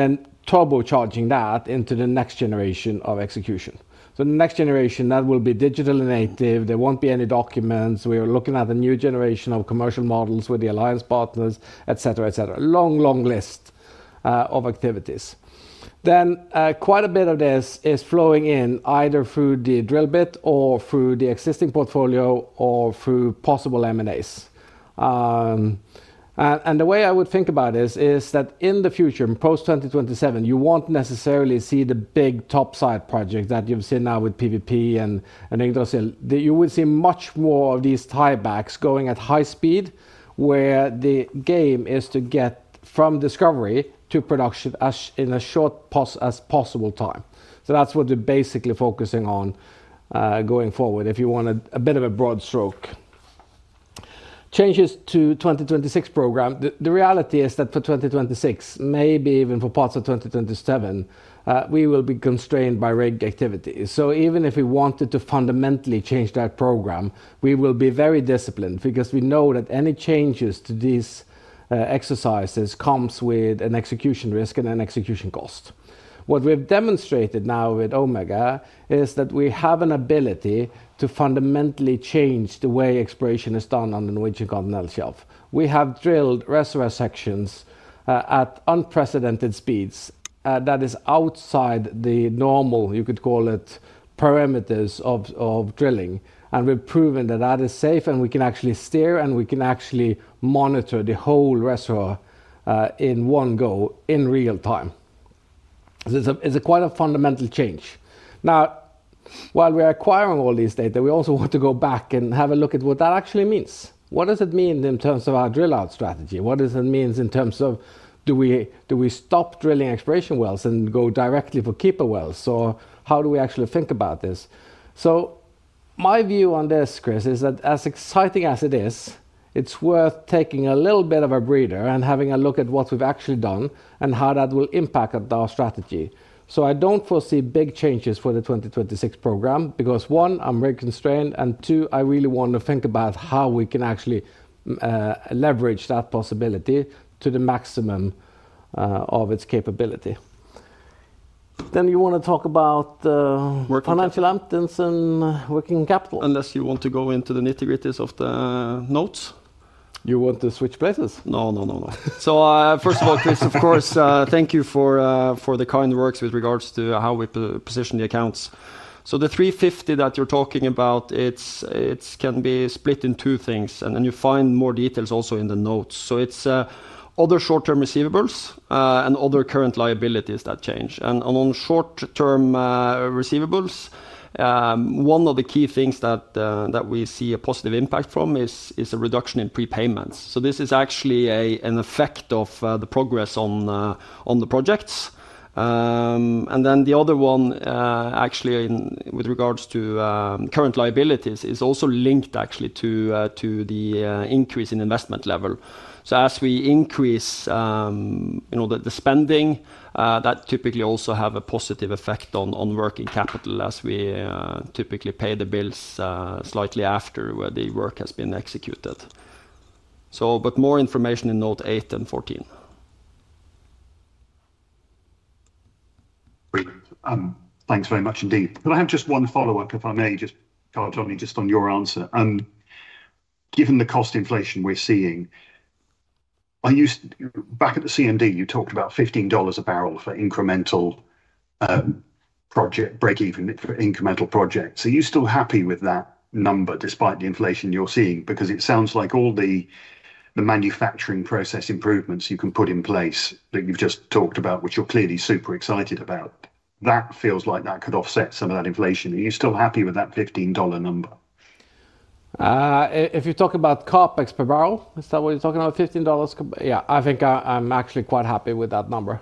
turbocharging that into the next generation of execution. The next generation will be digitally native. There will not be any documents. We are looking at a new generation of commercial models with the alliance partners, etc., etc. Long, long list of activities. Quite a bit of this is flowing in either through the drill bit or through the existing portfolio or through possible M&As. The way I would think about this is that in the future, in post 2027, you will not necessarily see the big topside project that you have seen now with PVP-Fenris and Yggdrasil. You will see much more of these tiebacks going at high speed, where the game is to get from discovery to production in as short as possible time. That is what we're basically focusing on. Going forward, if you want a bit of a broad stroke. Changes to the 2026 program. The reality is that for 2026, maybe even for parts of 2027, we will be constrained by rig activity. Even if we wanted to fundamentally change that program, we will be very disciplined because we know that any changes to these exercises come with an execution risk and an execution cost. What we've demonstrated now with Omega is that we have an ability to fundamentally change the way exploration is done on the Norwegian continental shelf. We have drilled reservoir sections at unprecedented speeds that are outside the normal, you could call it, parameters of drilling. We have proven that that is safe and we can actually steer and we can actually monitor the whole reservoir in one go in real time. It is quite a fundamental change. Now, while we are acquiring all this data, we also want to go back and have a look at what that actually means. What does it mean in terms of our drill-out strategy? What does it mean in terms of, do we stop drilling exploration wells and go directly for keeper wells? Or how do we actually think about this? My view on this, Chris, is that as exciting as it is, it is worth taking a little bit of a breather and having a look at what we have actually done and how that will impact our strategy. I do not foresee big changes for the 2026 program because, one, I am rig constrained, and two, I really want to think about how we can actually leverage that possibility to the maximum of its capability. You want to talk about financial aptitude and working capital, unless you want to go into the nitty-gritties of the notes. You want to switch places? No, no, no, no. First of all, Chris, of course, thank you for the kind words with regards to how we position the accounts. The $350 that you are talking about, it can be split in two things, and then you find more details also in the notes. It is other short-term receivables and other current liabilities that change. On short-term receivables, one of the key things that we see a positive impact from is a reduction in prepayments. This is actually an effect of the progress on the projects. The other one, actually, with regards to current liabilities, is also linked actually to the increase in investment level. As we increase the spending, that typically also has a positive effect on working capital as we typically pay the bills slightly after where the work has been executed. More information in note 8 and 14. Thanks very much indeed. Can I have just one follow-up, if I may, just, Johnny, just on your answer? Given the cost inflation we are seeing, back at the CMD, you talked about $15 a barrel for incremental break-even for incremental projects. Are you still happy with that number despite the inflation you are seeing? Because it sounds like all the. Manufacturing process improvements you can put in place that you've just talked about, which you're clearly super excited about, that feels like that could offset some of that inflation. Are you still happy with that $15 number? If you're talking about COP per barrel, is that what you're talking about? $15? Yeah, I think I'm actually quite happy with that number.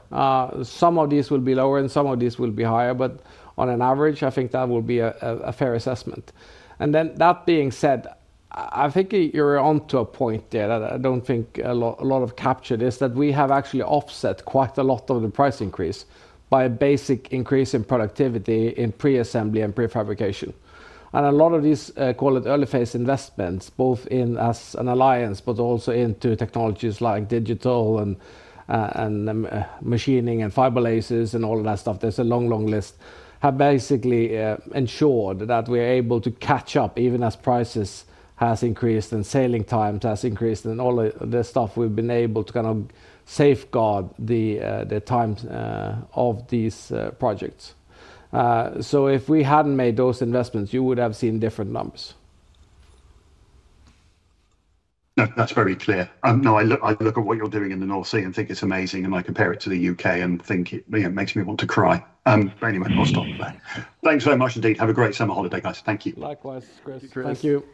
Some of these will be lower and some of these will be higher, but on an average, I think that will be a fair assessment. That being said, I think you're onto a point there that I don't think a lot have captured is that we have actually offset quite a lot of the price increase by a basic increase in productivity in pre-assembly and pre-fabrication. A lot of these, call it early phase investments, both in as an alliance, but also into technologies like digital and machining and fiber lasers and all of that stuff, there's a long, long list, have basically ensured that we are able to catch up even as prices have increased and sailing times have increased and all of this stuff, we've been able to kind of safeguard the time of these projects. If we hadn't made those investments, you would have seen different numbers. That's very clear. I look at what you're doing in the North Sea and think it's amazing. I compare it to the U.K. and think it makes me want to cry. Anyway, I'll stop there. Thanks very much indeed. Have a great summer holiday, guys. Thank you. Likewise, Chris. Thank you.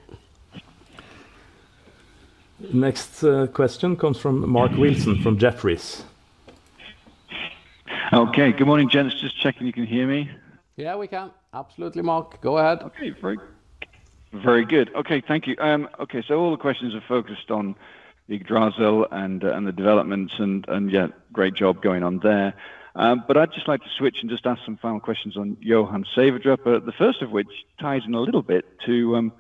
Next question comes from Mark Wilson from Jeffries. Okay, good morning, gents. Just checking if you can hear me. Yeah, we can. Absolutely, Mark. Go ahead. Okay, very good. Okay, thank you. Okay, so all the questions are focused on Yggdrasil and the developments. Yeah, great job going on there. I'd just like to switch and just ask some final questions on Johan Sverdrup, the first of which ties in a little bit to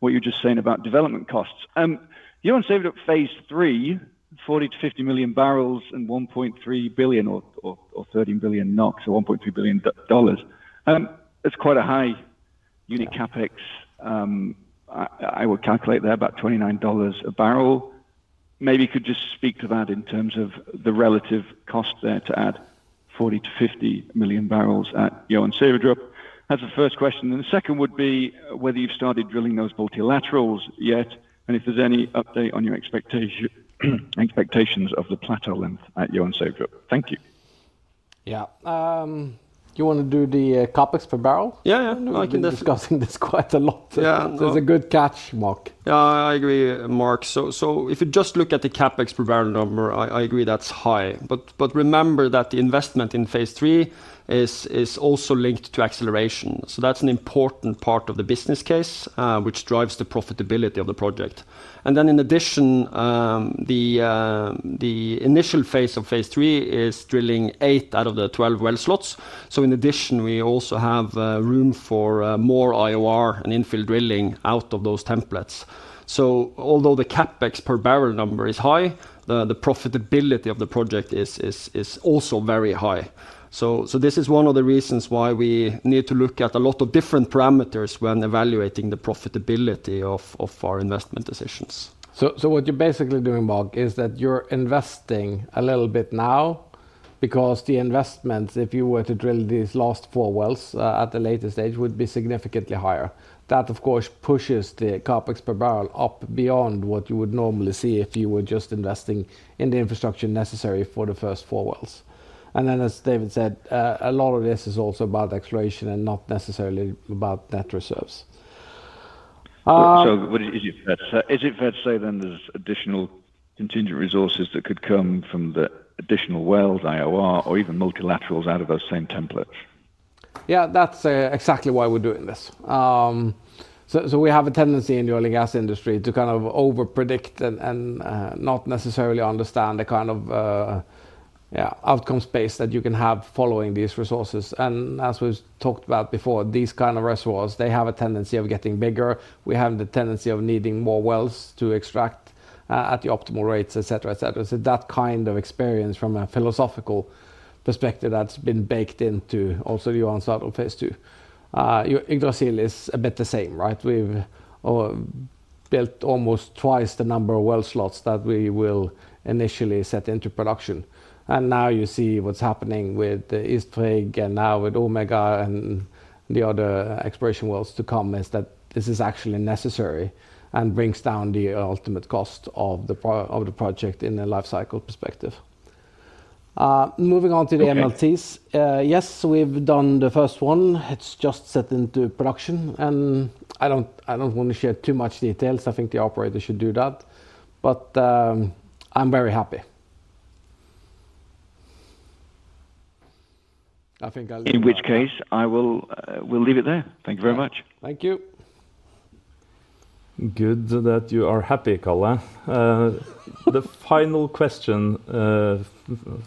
what you're just saying about development costs. Johan Sverdrup, phase three, 40-50 million barrels and 13 billion NOK, so $1.3 billion. That's quite a high unit CapEx. I would calculate there about $29 a barrel. Maybe you could just speak to that in terms of the relative cost there to add 40-50 million barrels at Johan Sverdrup. That's the first question. The second would be whether you have started drilling those multilaterals yet and if there is any update on your expectations of the plateau length at Johan Sverdrup. Thank you. Yeah. You want to do the CapEx per barrel? Yeah, yeah. I have been discussing this quite a lot. Yeah, that is a good catch, Mark. I agree, Mark. If you just look at the CapEx per barrel number, I agree that is high. Remember that the investment in phase three is also linked to acceleration. That is an important part of the business case, which drives the profitability of the project. In addition, the initial phase of phase three is drilling eight out of the 12 well slots. In addition, we also have room for more IOR and infill drilling out of those templates. Although the CapEx per barrel number is high, the profitability of the project is also very high. This is one of the reasons why we need to look at a lot of different parameters when evaluating the profitability of our investment decisions. What you are basically doing, Mark, is that you are investing a little bit now because the investments, if you were to drill these last four wells at the latest stage, would be significantly higher. That, of course, pushes the OpEx per barrel up beyond what you would normally see if you were just investing in the infrastructure necessary for the first four wells. As David said, a lot of this is also about exploration and not necessarily about net reserves. Is it fair to say then there are additional contingent resources that could come from the additional wells, IOR, or even multilaterals out of those same templates? Yeah, that's exactly why we're doing this. We have a tendency in the oil and gas industry to kind of overpredict and not necessarily understand the kind of outcome space that you can have following these resources. As we've talked about before, these kinds of reservoirs, they have a tendency of getting bigger. We have the tendency of needing more wells to extract at the optimal rates, etc., etc. That kind of experience from a philosophical perspective has been baked into also the onsite of phase two. Yggdrasil is a bit the same, right? We've built almost twice the number of well slots that we will initially set into production. Now you see what's happening with the East Frigg and now with Omega and the other exploration wells to come is that this is actually necessary and brings down the ultimate cost of the project in a life cycle perspective. Moving on to the MLTs. Yes, we've done the first one. It's just set into production. I don't want to share too much details. I think the operator should do that. I'm very happy. I think I'll... In which case, we'll leave it there. Thank you very much. Thank you. Good that you are happy, color. The final question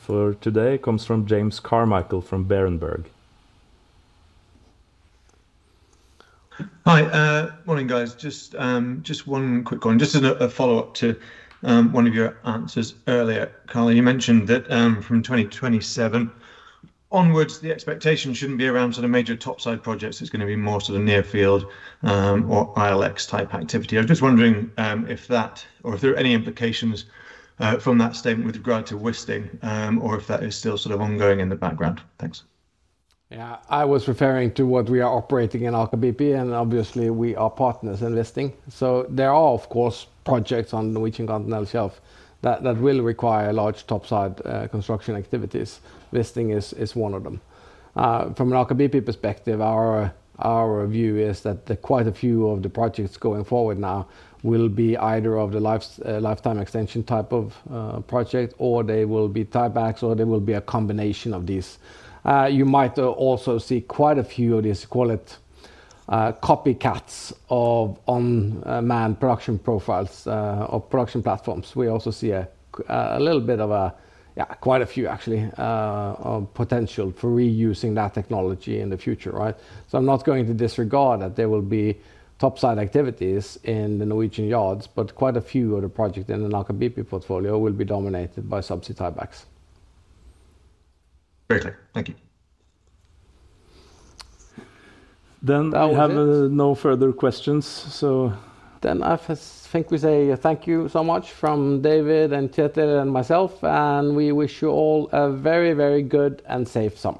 for today comes from James Carmichael from Berenberg. Hi, morning, guys. Just one quick one. Just as a follow-up to one of your answers earlier, color, you mentioned that from 2027 onwards, the expectation shouldn't be around sort of major topside projects. It's going to be more sort of near-field. Or ILX type activity. I was just wondering if that, or if there are any implications from that statement with regard to Listing, or if that is still sort of ongoing in the background. Thanks. Yeah, I was referring to what we are operating in Aker BP, and obviously we are partners in Listing. So there are, of course, projects on the Norwegian continental shelf that will require large topside construction activities. Listing is one of them. From an Aker BP perspective, our view is that quite a few of the projects going forward now will be either of the lifetime extension type of project, or they will be tiebacks, or they will be a combination of these. You might also see quite a few of these, call it, copycats of on-man production profiles of production platforms. We also see a little bit of a, yeah, quite a few actually. Potential for reusing that technology in the future, right? I am not going to disregard that there will be topside activities in the Norwegian yards, but quite a few of the projects in the Aker BP portfolio will be dominated by subsea tiebacks. Great. Thank you. We have no further questions. I think we say thank you so much from David and Kjetil and myself. We wish you all a very, very good and safe summer.